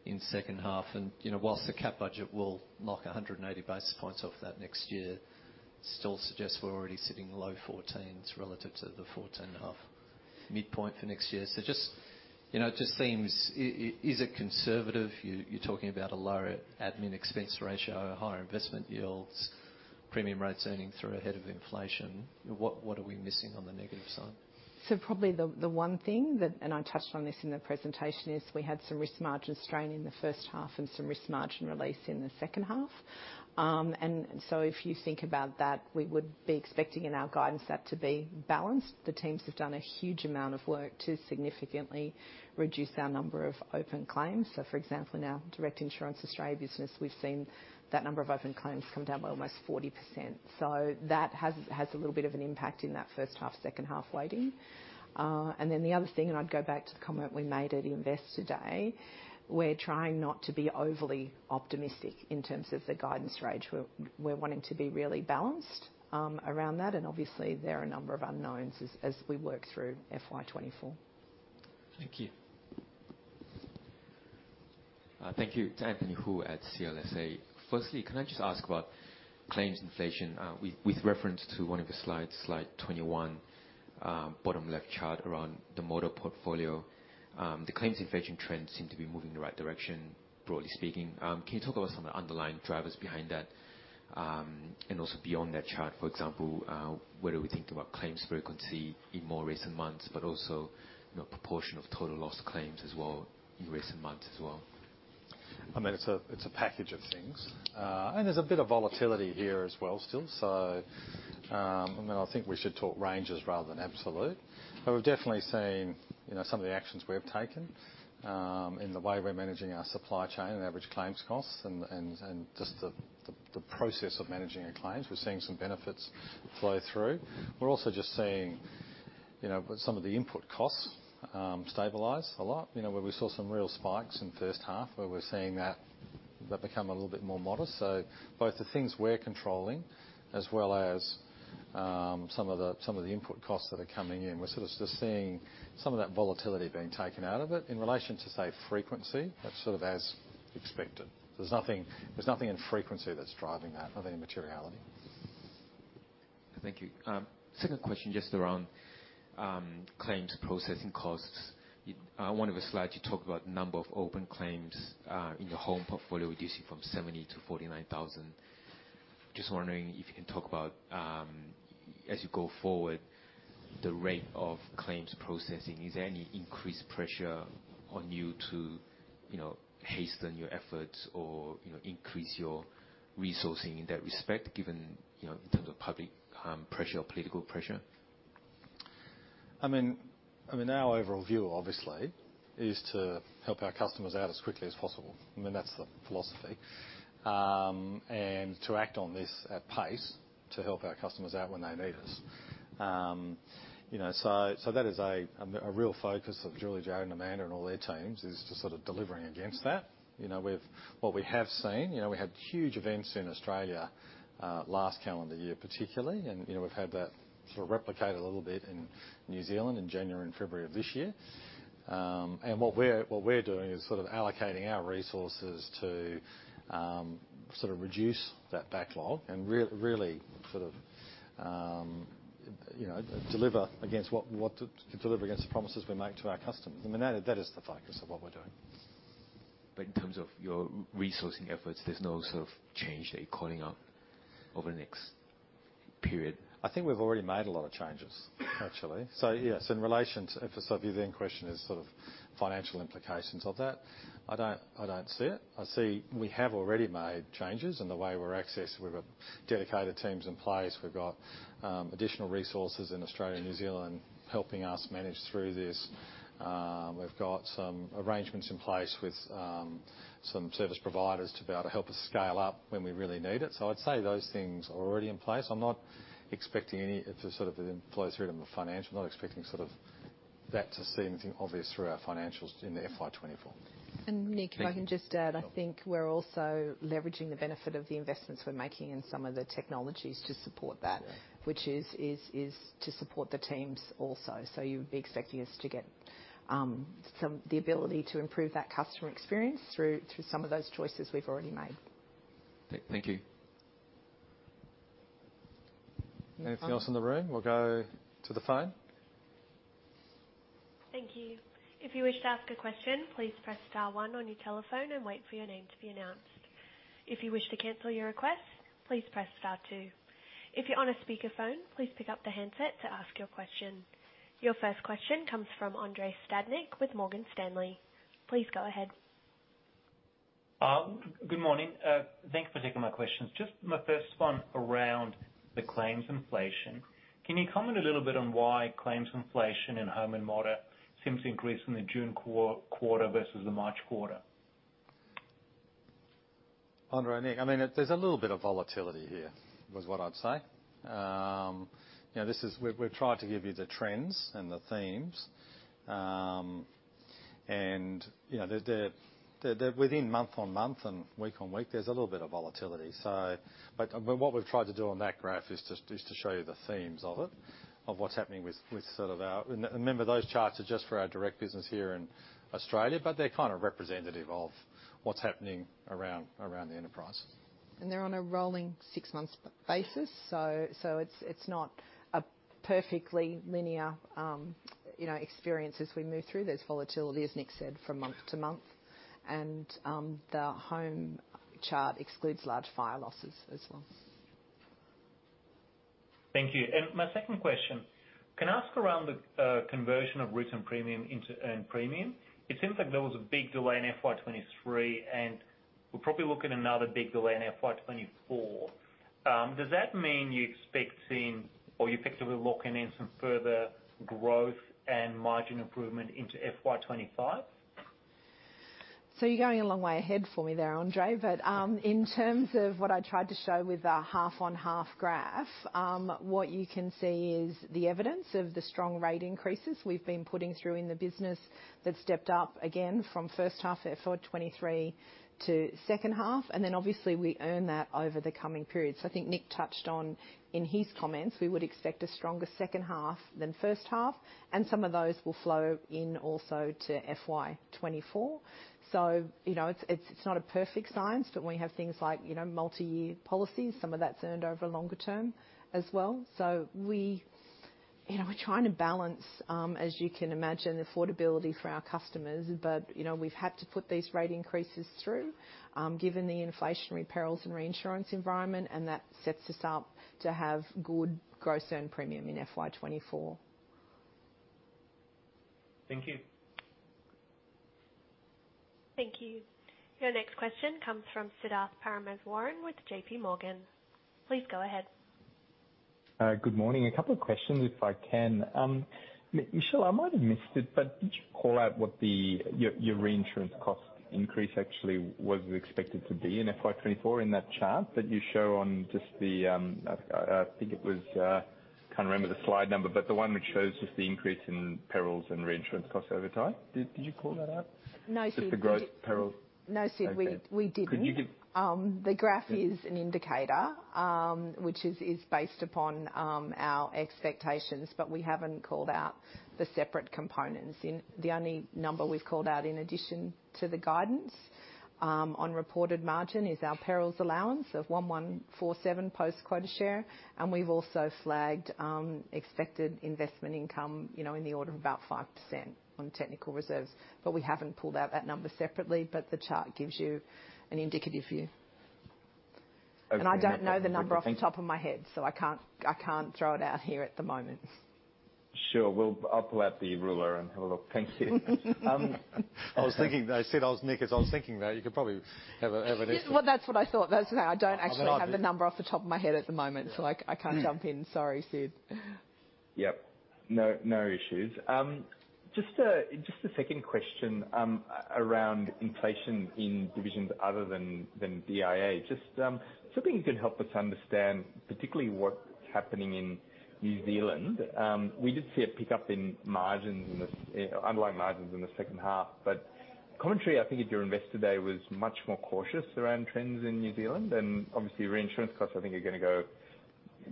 in second half, and, you know, whilst the cat budget will knock 180 basis points off that next year, still suggests we're already sitting low 14s relative to the 14.5 midpoint for next year. Just, you know, it just seems, is it conservative? You're, you're talking about a lower admin expense ratio, higher investment yields, premium rates earning through ahead of inflation. What, what are we missing on the negative side? Probably the, the one thing that, and I touched on this in the presentation, is we had some risk margin strain in the first half and some risk margin release in the second half. If you think about that, we would be expecting in our guidance that to be balanced. The teams have done a huge amount of work to significantly reduce our number of open claims. For example, in our Direct Insurance Australia business, we've seen that number of open claims come down by almost 40%. That has, has a little bit of an impact in that first half, second half weighting. The other thing, and I'd go back to the comment we made at Investor Day, we're trying not to be overly optimistic in terms of the guidance range. We're, we're wanting to be really balanced around that, and obviously, there are a number of unknowns as, as we work through FY24. Thank you. Thank you. It's Anthony Hu at CLSA. Firstly, can I just ask about claims inflation? With reference to one of the slides, slide 21, bottom left chart around the motor portfolio. The claims inflation trends seem to be moving in the right direction, broadly speaking. Can you talk about some of the underlying drivers behind that? Also beyond that chart, for example, what are we thinking about claims frequency in more recent months, but also, you know, proportion of total loss claims as well in recent months as well? I mean, it's a, it's a package of things. There's a bit of volatility here as well, still. I mean, I think we should talk ranges rather than absolute. We've definitely seen, you know, some of the actions we've taken in the way we're managing our supply chain and average claims costs, and just the process of managing our claims. We're seeing some benefits flow through. We're also just seeing, you know, some of the input costs stabilize a lot. You know, where we saw some real spikes in first half, where we're seeing that, that become a little bit more modest. Both the things we're controlling, as well as some of the input costs that are coming in, we're sort of just seeing some of that volatility being taken out of it. In relation to, say, frequency, that's sort of as expected. There's nothing, there's nothing in frequency that's driving that, of any materiality. Thank you. Second question, just around claims processing costs. In one of the slides, you talked about number of open claims in the home portfolio reducing from 70 to 49,000. Just wondering if you can talk about, as you go forward, the rate of claims processing. Is there any increased pressure on you to, you know, hasten your efforts or, you know, increase your resourcing in that respect, given, you know, in terms of public pressure or political pressure? I mean, I mean, our overall view, obviously, is to help our customers out as quickly as possible. I mean, that's the philosophy. To act on this at pace, to help our customers out when they need us. You know, that is a real focus of Julie Batch and Amanda and all their teams, is just sort of delivering against that. You know, with what we have seen, you know, we had huge events in Australia last calendar year, particularly, and, you know, we've had that sort of replicate a little bit in New Zealand in January and February of this year. What we're, what we're doing is sort of allocating our resources to, sort of reduce that backlog and really sort of, you know, deliver against what... To deliver against the promises we make to our customers. I mean, that is, that is the focus of what we're doing. In terms of your resourcing efforts, there's no sort of change that you're calling out over the next period? I think we've already made a lot of changes, actually. Yes, in relation to, if your main question is sort of financial implications of that, I don't, I don't see it. I see we have already made changes in the way we're accessing. We've got dedicated teams in place. We've got additional resources in Australia and New Zealand, helping us manage through this. We've got some arrangements in place with some service providers to be able to help us scale up when we really need it. I'd say those things are already in place. I'm not expecting any, to sort of it flows through to the financial. I'm not expecting sort of that to see anything obvious through our financials in the FY24. Nick, if I can just add. Yeah. I think we're also leveraging the benefit of the investments we're making in some of the technologies to support that. Yeah. which is to support the teams also. You'd be expecting us to get the ability to improve that customer experience through, through some of those choices we've already made. Thank, thank you. Anything else in the room? We'll go to the phone. Thank you. If you wish to ask a question, please press star one on your telephone and wait for your name to be announced. If you wish to cancel your request, please press star two. If you're on a speakerphone, please pick up the handset to ask your question. Your first question comes from Andrei Stadnik with Morgan Stanley. Please go ahead. Good morning. Thanks for taking my questions. Just my first one around the claims inflation. Can you comment a little bit on why claims inflation in home and motor seems to increase in the June quarter versus the March quarter? Andrei, Nick, I mean, there's a little bit of volatility here, was what I'd say. You know, we're trying to give you the trends and the themes. Within month-on-month and week-on-week, there's a little bit of volatility. What we've tried to do on that graph is just to show you the themes of it, of what's happening with sort of our. Remember, those charts are just for our direct business here in Australia, but they're kind of representative of what's happening around the enterprise. They're on a rolling six-month basis, so, so it's, it's not a perfectly linear, you know, experience as we move through. There's volatility, as Nick said, from month to month, and the home chart excludes large fire losses as well. Thank you. My second question, can I ask around the conversion of written premium into earned premium? It seems like there was a big delay in FY23, and we're probably looking at another big delay in FY24. Does that mean you expect seeing or you're effectively locking in some further growth and margin improvement into FY25? You're going a long way ahead for me there, Andrei. In terms of what I tried to show with the half-on-half graph, what you can see is the evidence of the strong rate increases we've been putting through in the business that stepped up again from first half FY23 to second half, and then obviously we earn that over the coming period. I think Nick touched on, in his comments, we would expect a stronger second half than first half, and some of those will flow in also to FY24. You know, it's not a perfect science, but we have things like, you know, multi-year policies. Some of that's earned over longer term as well. We sort of- You know, we're trying to balance, as you can imagine, affordability for our customers, but, you know, we've had to put these rate increases through, given the inflationary perils and reinsurance environment. That sets us up to have good gross earned premium in FY24. Thank you. Thank you. Your next question comes from Siddharth Parameswaran with JP Morgan. Please go ahead. Good morning. A couple of questions, if I can. Michelle, I might have missed it, but did you call out what the, your, your reinsurance cost increase actually was expected to be in FY24 in that chart that you show on just the, I, I think it was, can't remember the slide number, but the one which shows just the increase in perils and reinsurance costs over time. Did you call that out? No, Sid, we- Just the growth peril. No, Sid, we, we didn't. Could you give- The graph is an indicator, which is, is based upon our expectations, but we haven't called out the separate components. The only number we've called out in addition to the guidance on reported margin, is our perils allowance of 1,147 post quota share, and we've also flagged expected investment income, in the order of about 5% on technical reserves. We haven't pulled out that number separately, but the chart gives you an indicative view. Okay. I don't know the number off the top of my head, so I can't, I can't throw it out here at the moment. Sure. I'll pull out the ruler and have a look. Thank you. I was thinking, though, Sid, I was Nick, as I was thinking that you could probably have a, have an estimate. That's what I thought. That's why I don't actually have the number off the top of my head at the moment, so I, I can't jump in. Sorry, Sid. Yep. No, no issues. Just a, just a second question, around inflation in divisions other than, than DIA? Just something you could help us understand, particularly what's happening in New Zealand? We did see a pickup in margins in the, underlying margins in the second half. Commentary, I think, at your Investor Day was much more cautious around trends in New Zealand, and obviously, reinsurance costs, I think are going to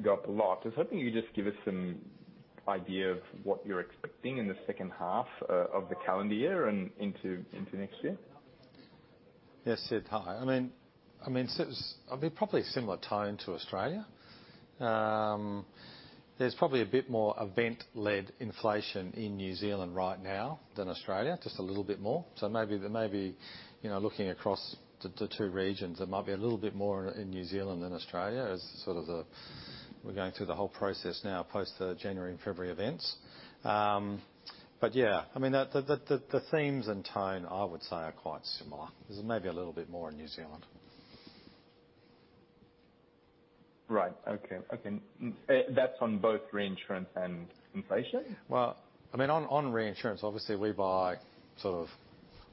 go up a lot. Just hoping you could just give us some idea of what you're expecting in the second half, of the calendar year and into, into next year? Yes, Sid, hi. I mean, I mean, Sid, it's probably a similar tone to Australia. There's probably a bit more event-led inflation in New Zealand right now than Australia, just a little bit more. Maybe there may be, you know, looking across the, the two regions, there might be a little bit more in New Zealand than Australia as sort of the... We're going through the whole process now post the January and February events. Yeah, I mean, the, the, the, the themes and tone, I would say, are quite similar. There's maybe a little bit more in New Zealand. Right. Okay. Okay. That's on both reinsurance and inflation? Well, I mean, on, on reinsurance, obviously, we buy sort of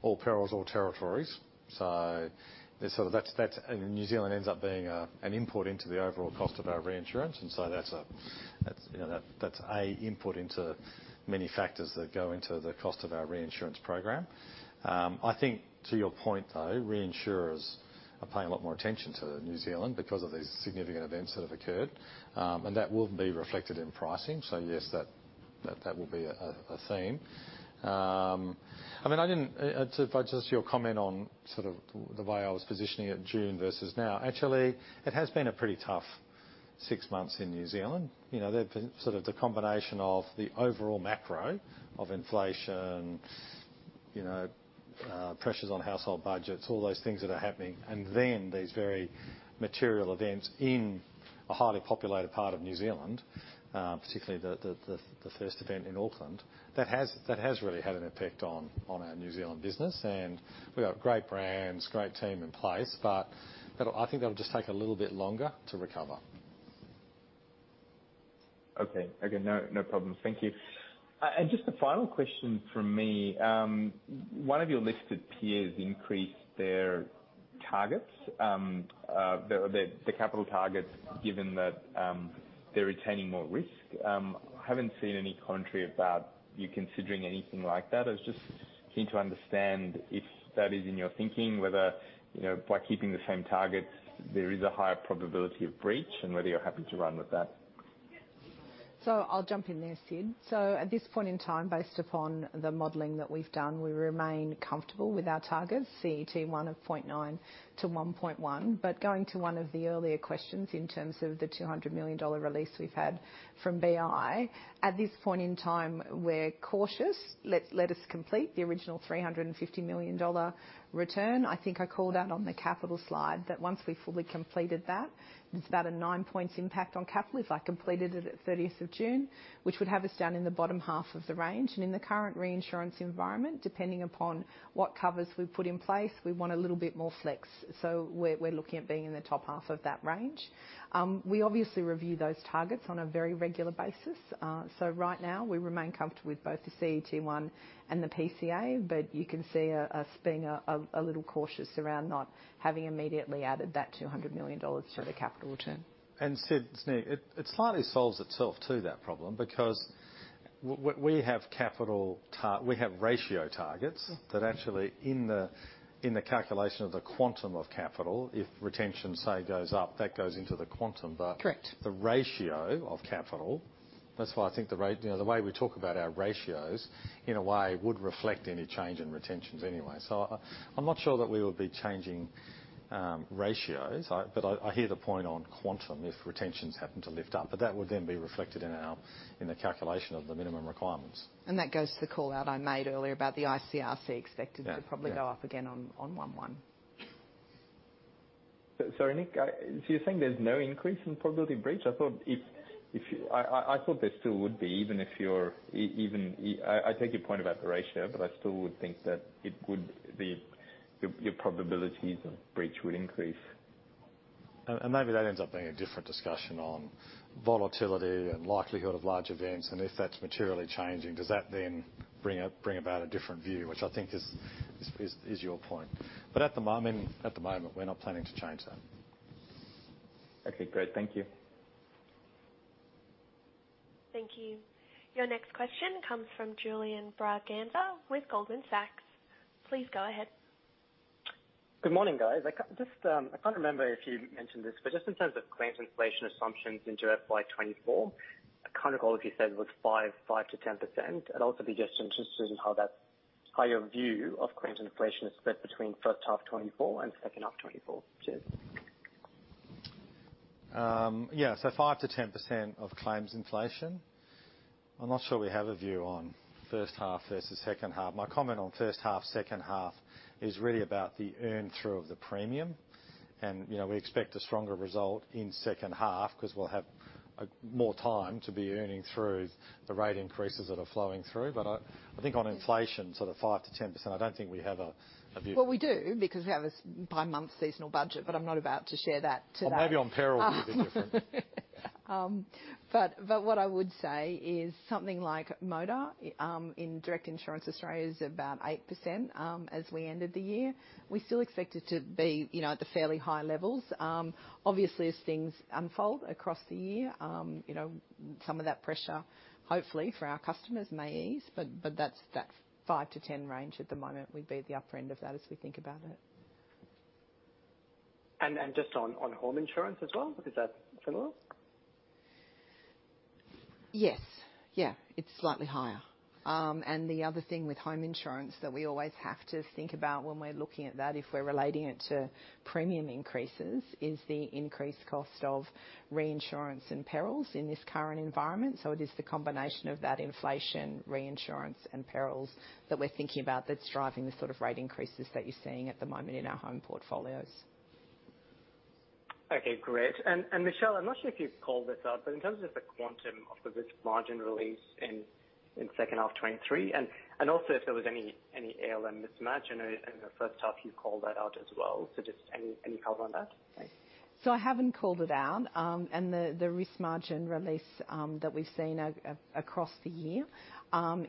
all perils, all territories. Sort of New Zealand ends up being an input into the overall cost of our reinsurance, and so that's a, that's, you know, that's a input into many factors that go into the cost of our reinsurance program. I think to your point, though, reinsurers are paying a lot more attention to New Zealand because of these significant events that have occurred, and that will be reflected in pricing. Yes, that, that, that will be a, a, a theme. I mean, to, just your comment on sort of the way I was positioning it June versus now, actually, it has been a pretty tough 6 months in New Zealand. You know, the, sort of the combination of the overall macro of inflation, you know, pressures on household budgets, all those things that are happening, and then these very material events in a highly populated part of New Zealand, particularly the, the, the, the first event in Auckland, that has, that has really had an impact on, on our New Zealand business, and we've got great brands, great team in place, but I think that'll just take a little bit longer to recover. Okay. Okay, no, no problem. Thank you. Just a final question from me. One of your listed peers increased their targets, the, the, the capital targets, given that, they're retaining more risk. I haven't seen any commentary about you considering anything like that. I was just keen to understand if that is in your thinking, whether, you know, by keeping the same targets, there is a higher probability of breach, and whether you're happy to run with that. I'll jump in there, Sid. At this point in time, based upon the modeling that we've done, we remain comfortable with our targets, CET1 of 0.9-1.1. Going to one of the earlier questions in terms of the 200 million dollar release we've had from BI, at this point in time, we're cautious. Let us complete the original 350 million dollar return. I think I called out on the capital slide that once we fully completed that, it's about a nine points impact on capital if I completed it at 30th of June, which would have us down in the bottom half of the range. In the current reinsurance environment, depending upon what covers we put in place, we want a little bit more flex. We're, we're looking at being in the top half of that range. We obviously review those targets on a very regular basis, so right now, we remain comfortable with both the CET1 and the PCA, but you can see us, us being a, a little cautious around not having immediately added that 200 million dollars to the capital return. Sid, it, it slightly solves itself to that problem because what we have capital we have ratio targets. Mm. That actually in the, in the calculation of the quantum of capital, if retention, say, goes up, that goes into the quantum, but. Correct... the ratio of capital, that's why I think you know, the way we talk about our ratios, in a way, would reflect any change in retentions anyway. I, I'm not sure that we will be changing ratios, but I, I hear the point on quantum, if retentions happen to lift up, but that would then be reflected in our, in the calculation of the minimum requirements. That goes to the call out I made earlier about the ICRC expected-. Yeah, yeah. to probably go up again on, on 11. Sorry, Nick, I so you're saying there's no increase in probability of breach? I thought if you I thought there still would be, even if you're, even I take your point about the ratio, but I still would think that it would be, your probabilities of breach would increase. Maybe that ends up being a different discussion on volatility and likelihood of large events, and if that's materially changing, does that then bring about a different view, which I think is your point. At the moment, at the moment, we're not planning to change that. Okay, great. Thank you. Thank you. Your next question comes from Julian Braganza with Goldman Sachs. Please go ahead. Good morning, guys. I just, I can't remember if you mentioned this, but just in terms of claims inflation assumptions into FY24, I can't recall if you said it was 5-10%. I'd also be just interested in how that, how your view of claims inflation is split between first half 2024 and second half 2024 too. 5%-10% of claims inflation. I'm not sure we have a view on first half versus second half. My comment on first half, second half is really about the earn through of the premium. You know, we expect a stronger result in second half, 'cause we'll have more time to be earning through the rate increases that are flowing through. I, I think on inflation, sort of 5%-10%, I don't think we have a view. Well, we do, because we have a by-month seasonal budget, but I'm not about to share that today. Well, maybe on peril it will be different. What I would say is something like motor, in Direct Insurance Australia is about 8% as we ended the year. We still expect it to be, you know, at the fairly high levels. Obviously, as things unfold across the year, you know, some of that pressure, hopefully for our customers, may ease, that's, that 5%-10% range at the moment, we'd be at the upper end of that as we think about it. And just on, on home insurance as well, is that similar? Yes. Yeah, it's slightly higher. The other thing with home insurance that we always have to think about when we're looking at that, if we're relating it to premium increases, is the increased cost of reinsurance and perils in this current environment. It is the combination of that inflation, reinsurance, and perils that we're thinking about, that's driving the sort of rate increases that you're seeing at the moment in our home portfolios. Okay, great. Michelle, I'm not sure if you've called this out, but in terms of the quantum of the risk margin release in second half 2023, and also if there was any ALM mismatch. I know in the first half, you called that out as well. Just any, any color on that? I haven't called it out. And the risk margin release that we've seen across the year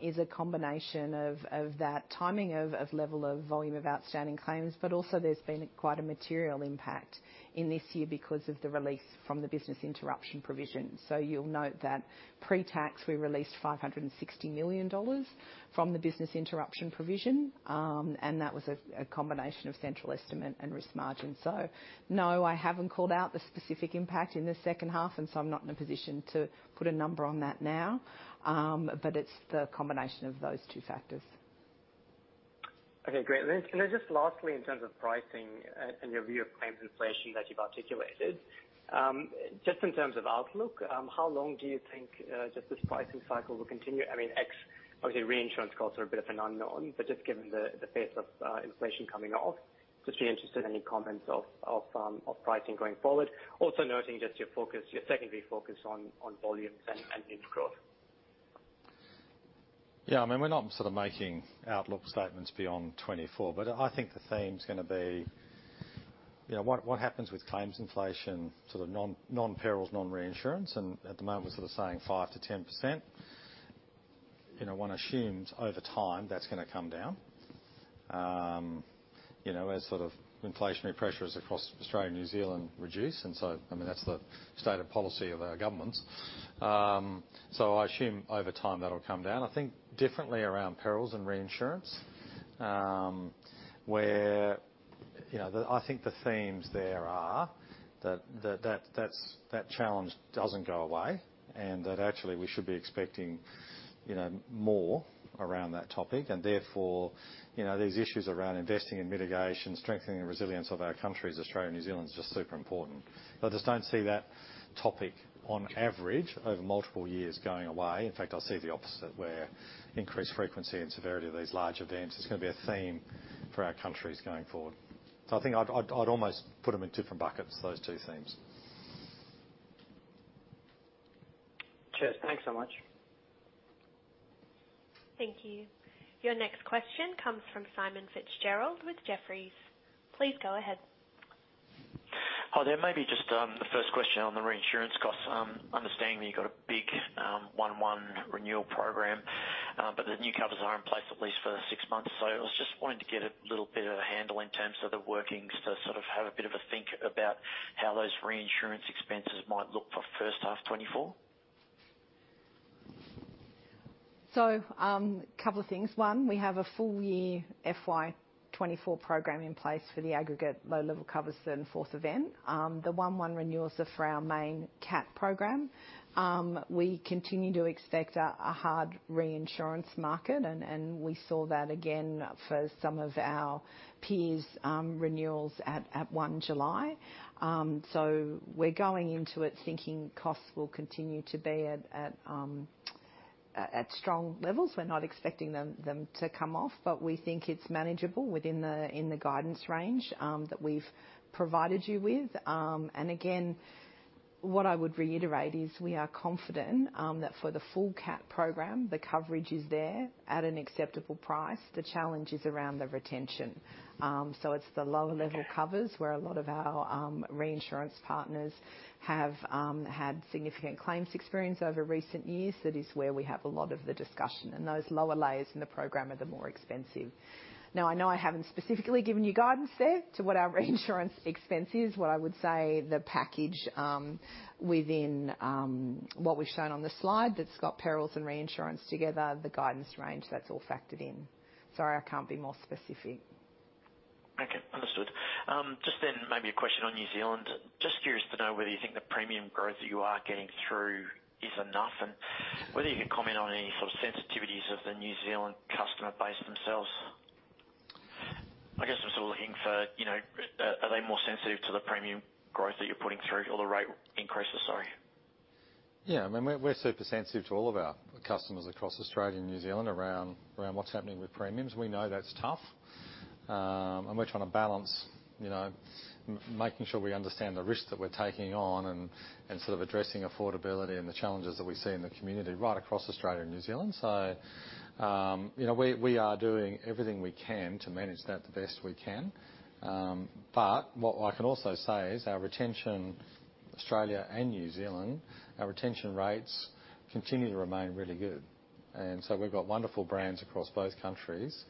is a combination of that timing of level of volume of outstanding claims, but also there's been quite a material impact in this year because of the release from the business interruption provision. You'll note that pre-tax, we released 560 million dollars from the business interruption provision, and that was a combination of central estimate and risk margin. No, I haven't called out the specific impact in the second half, and so I'm not in a position to put a number on that now. But it's the combination of those two factors. Okay, great. Then, and then just lastly, in terms of pricing and, and your view of claims inflation that you've articulated, just in terms of outlook, how long do you think just this pricing cycle will continue? I mean, ex-- obviously, reinsurance costs are a bit of an unknown, but just given the, the pace of inflation coming off, just be interested in any comments of, of pricing going forward. Also noting just your focus, your secondary focus on, on volumes and, and new growth. Yeah, I mean, we're not sort of making outlook statements beyond 2024, but I think the theme's going to be, you know, what, what happens with claims inflation to the non-perils, non-reinsurance, and at the moment, we're sort of saying 5%-10%. You know, one assumes over time that's going to come down, you know, as sort of inflationary pressures across Australia and New Zealand reduce, and so, I mean, that's the state of policy of our governments. I assume over time, that'll come down. I think differently around perils and reinsurance, where, you know, I think the themes there are that's that challenge doesn't go away, and that actually we should be expecting, you know, more around that topic. Therefore, you know, these issues around investing in mitigation, strengthening the resilience of our countries, Australia and New Zealand, is just super important. I just don't see that topic on average over multiple years going away. In fact, I see the opposite, where increased frequency and severity of these large events is going to be a theme for our countries going forward. I think I'd, I'd, I'd almost put them in different buckets, those two themes. Cheers. Thanks so much. Thank you. Your next question comes from Simon Fitzgerald with Jefferies. Please go ahead. Hi there. Maybe just the first question on the reinsurance costs. Understanding that you got a big 1-1 renewal program, but the new covers are in place at least for 6 months. I was just wanting to get a little bit of a handle in terms of the workings to sort of have a bit of a think about how those reinsurance expenses might look for first half FY24. Couple of things. One, we have a full year FY24 program in place for the aggregate low-level covers and fourth event. The 1/1 renewals are for our main cap program. We continue to expect a hard reinsurance market, and we saw that again for some of our peers' renewals at 1 July. We're going into it thinking costs will continue to be at strong levels. We're not expecting them to come off, but we think it's manageable within the guidance range that we've provided you with. And again, what I would reiterate is we are confident that for the full cat program, the coverage is there at an acceptable price. The challenge is around the retention. It's the lower level covers where a lot of our reinsurance partners have had significant claims experience over recent years. That is where we have a lot of the discussion, and those lower layers in the program are the more expensive. I know I haven't specifically given you guidance there to what our reinsurance expense is. What I would say, the package within what we've shown on the slide, that's got perils and reinsurance together, the guidance range, that's all factored in. Sorry, I can't be more specific. Okay, understood. Maybe a question on New Zealand. Curious to know whether you think the premium growth that you are getting through is enough, and whether you could comment on any sort of sensitivities of the New Zealand customer base themselves. I'm still looking for, you know, are they more sensitive to the premium growth that you're putting through or the rate increases? Sorry. Yeah. I mean, we're, we're super sensitive to all of our customers across Australia and New Zealand around, around what's happening with premiums. We know that's tough. We're trying to balance, you know, making sure we understand the risk that we're taking on and, and sort of addressing affordability and the challenges that we see in the community right across Australia and New Zealand. You know, we, we are doing everything we can to manage that the best we can. What I can also say is our retention, Australia and New Zealand, our retention rates continue to remain really good. We've got wonderful brands across both countries.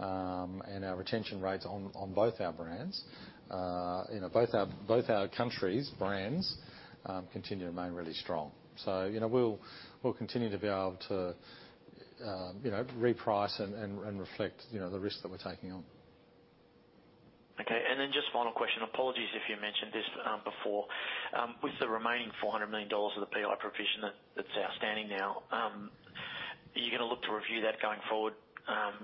Our retention rates on, on both our brands, you know, both our, both our countries, brands, continue to remain really strong. You know, we'll, we'll continue to be able to, you know, reprice and, and, and reflect, you know, the risk that we're taking on. Okay. Then just final question. Apologies if you mentioned this, before. With the remaining 400 million dollars of the PI provision that, that's outstanding now, are you going to look to review that going forward?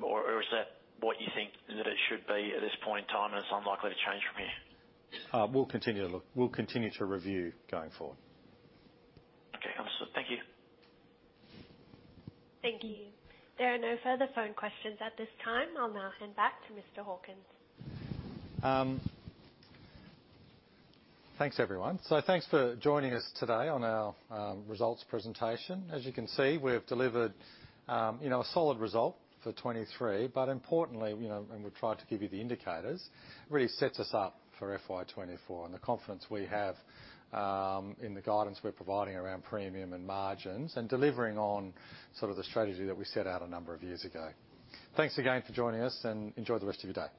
Or, or is that what you think that it should be at this point in time, and it's unlikely to change from here? We'll continue to look. We'll continue to review going forward. Okay, understood. Thank you. Thank you. There are no further phone questions at this time. I'll now hand back to Nick Hawkins. Thanks, everyone. Thanks for joining us today on our results presentation. As you can see, we've delivered, you know, a solid result for 2023, but importantly, you know, and we've tried to give you the indicators, really sets us up for FY24 and the confidence we have in the guidance we're providing around premium and margins, and delivering on sort of the strategy that we set out a number of years ago. Thanks again for joining us, and enjoy the rest of your day.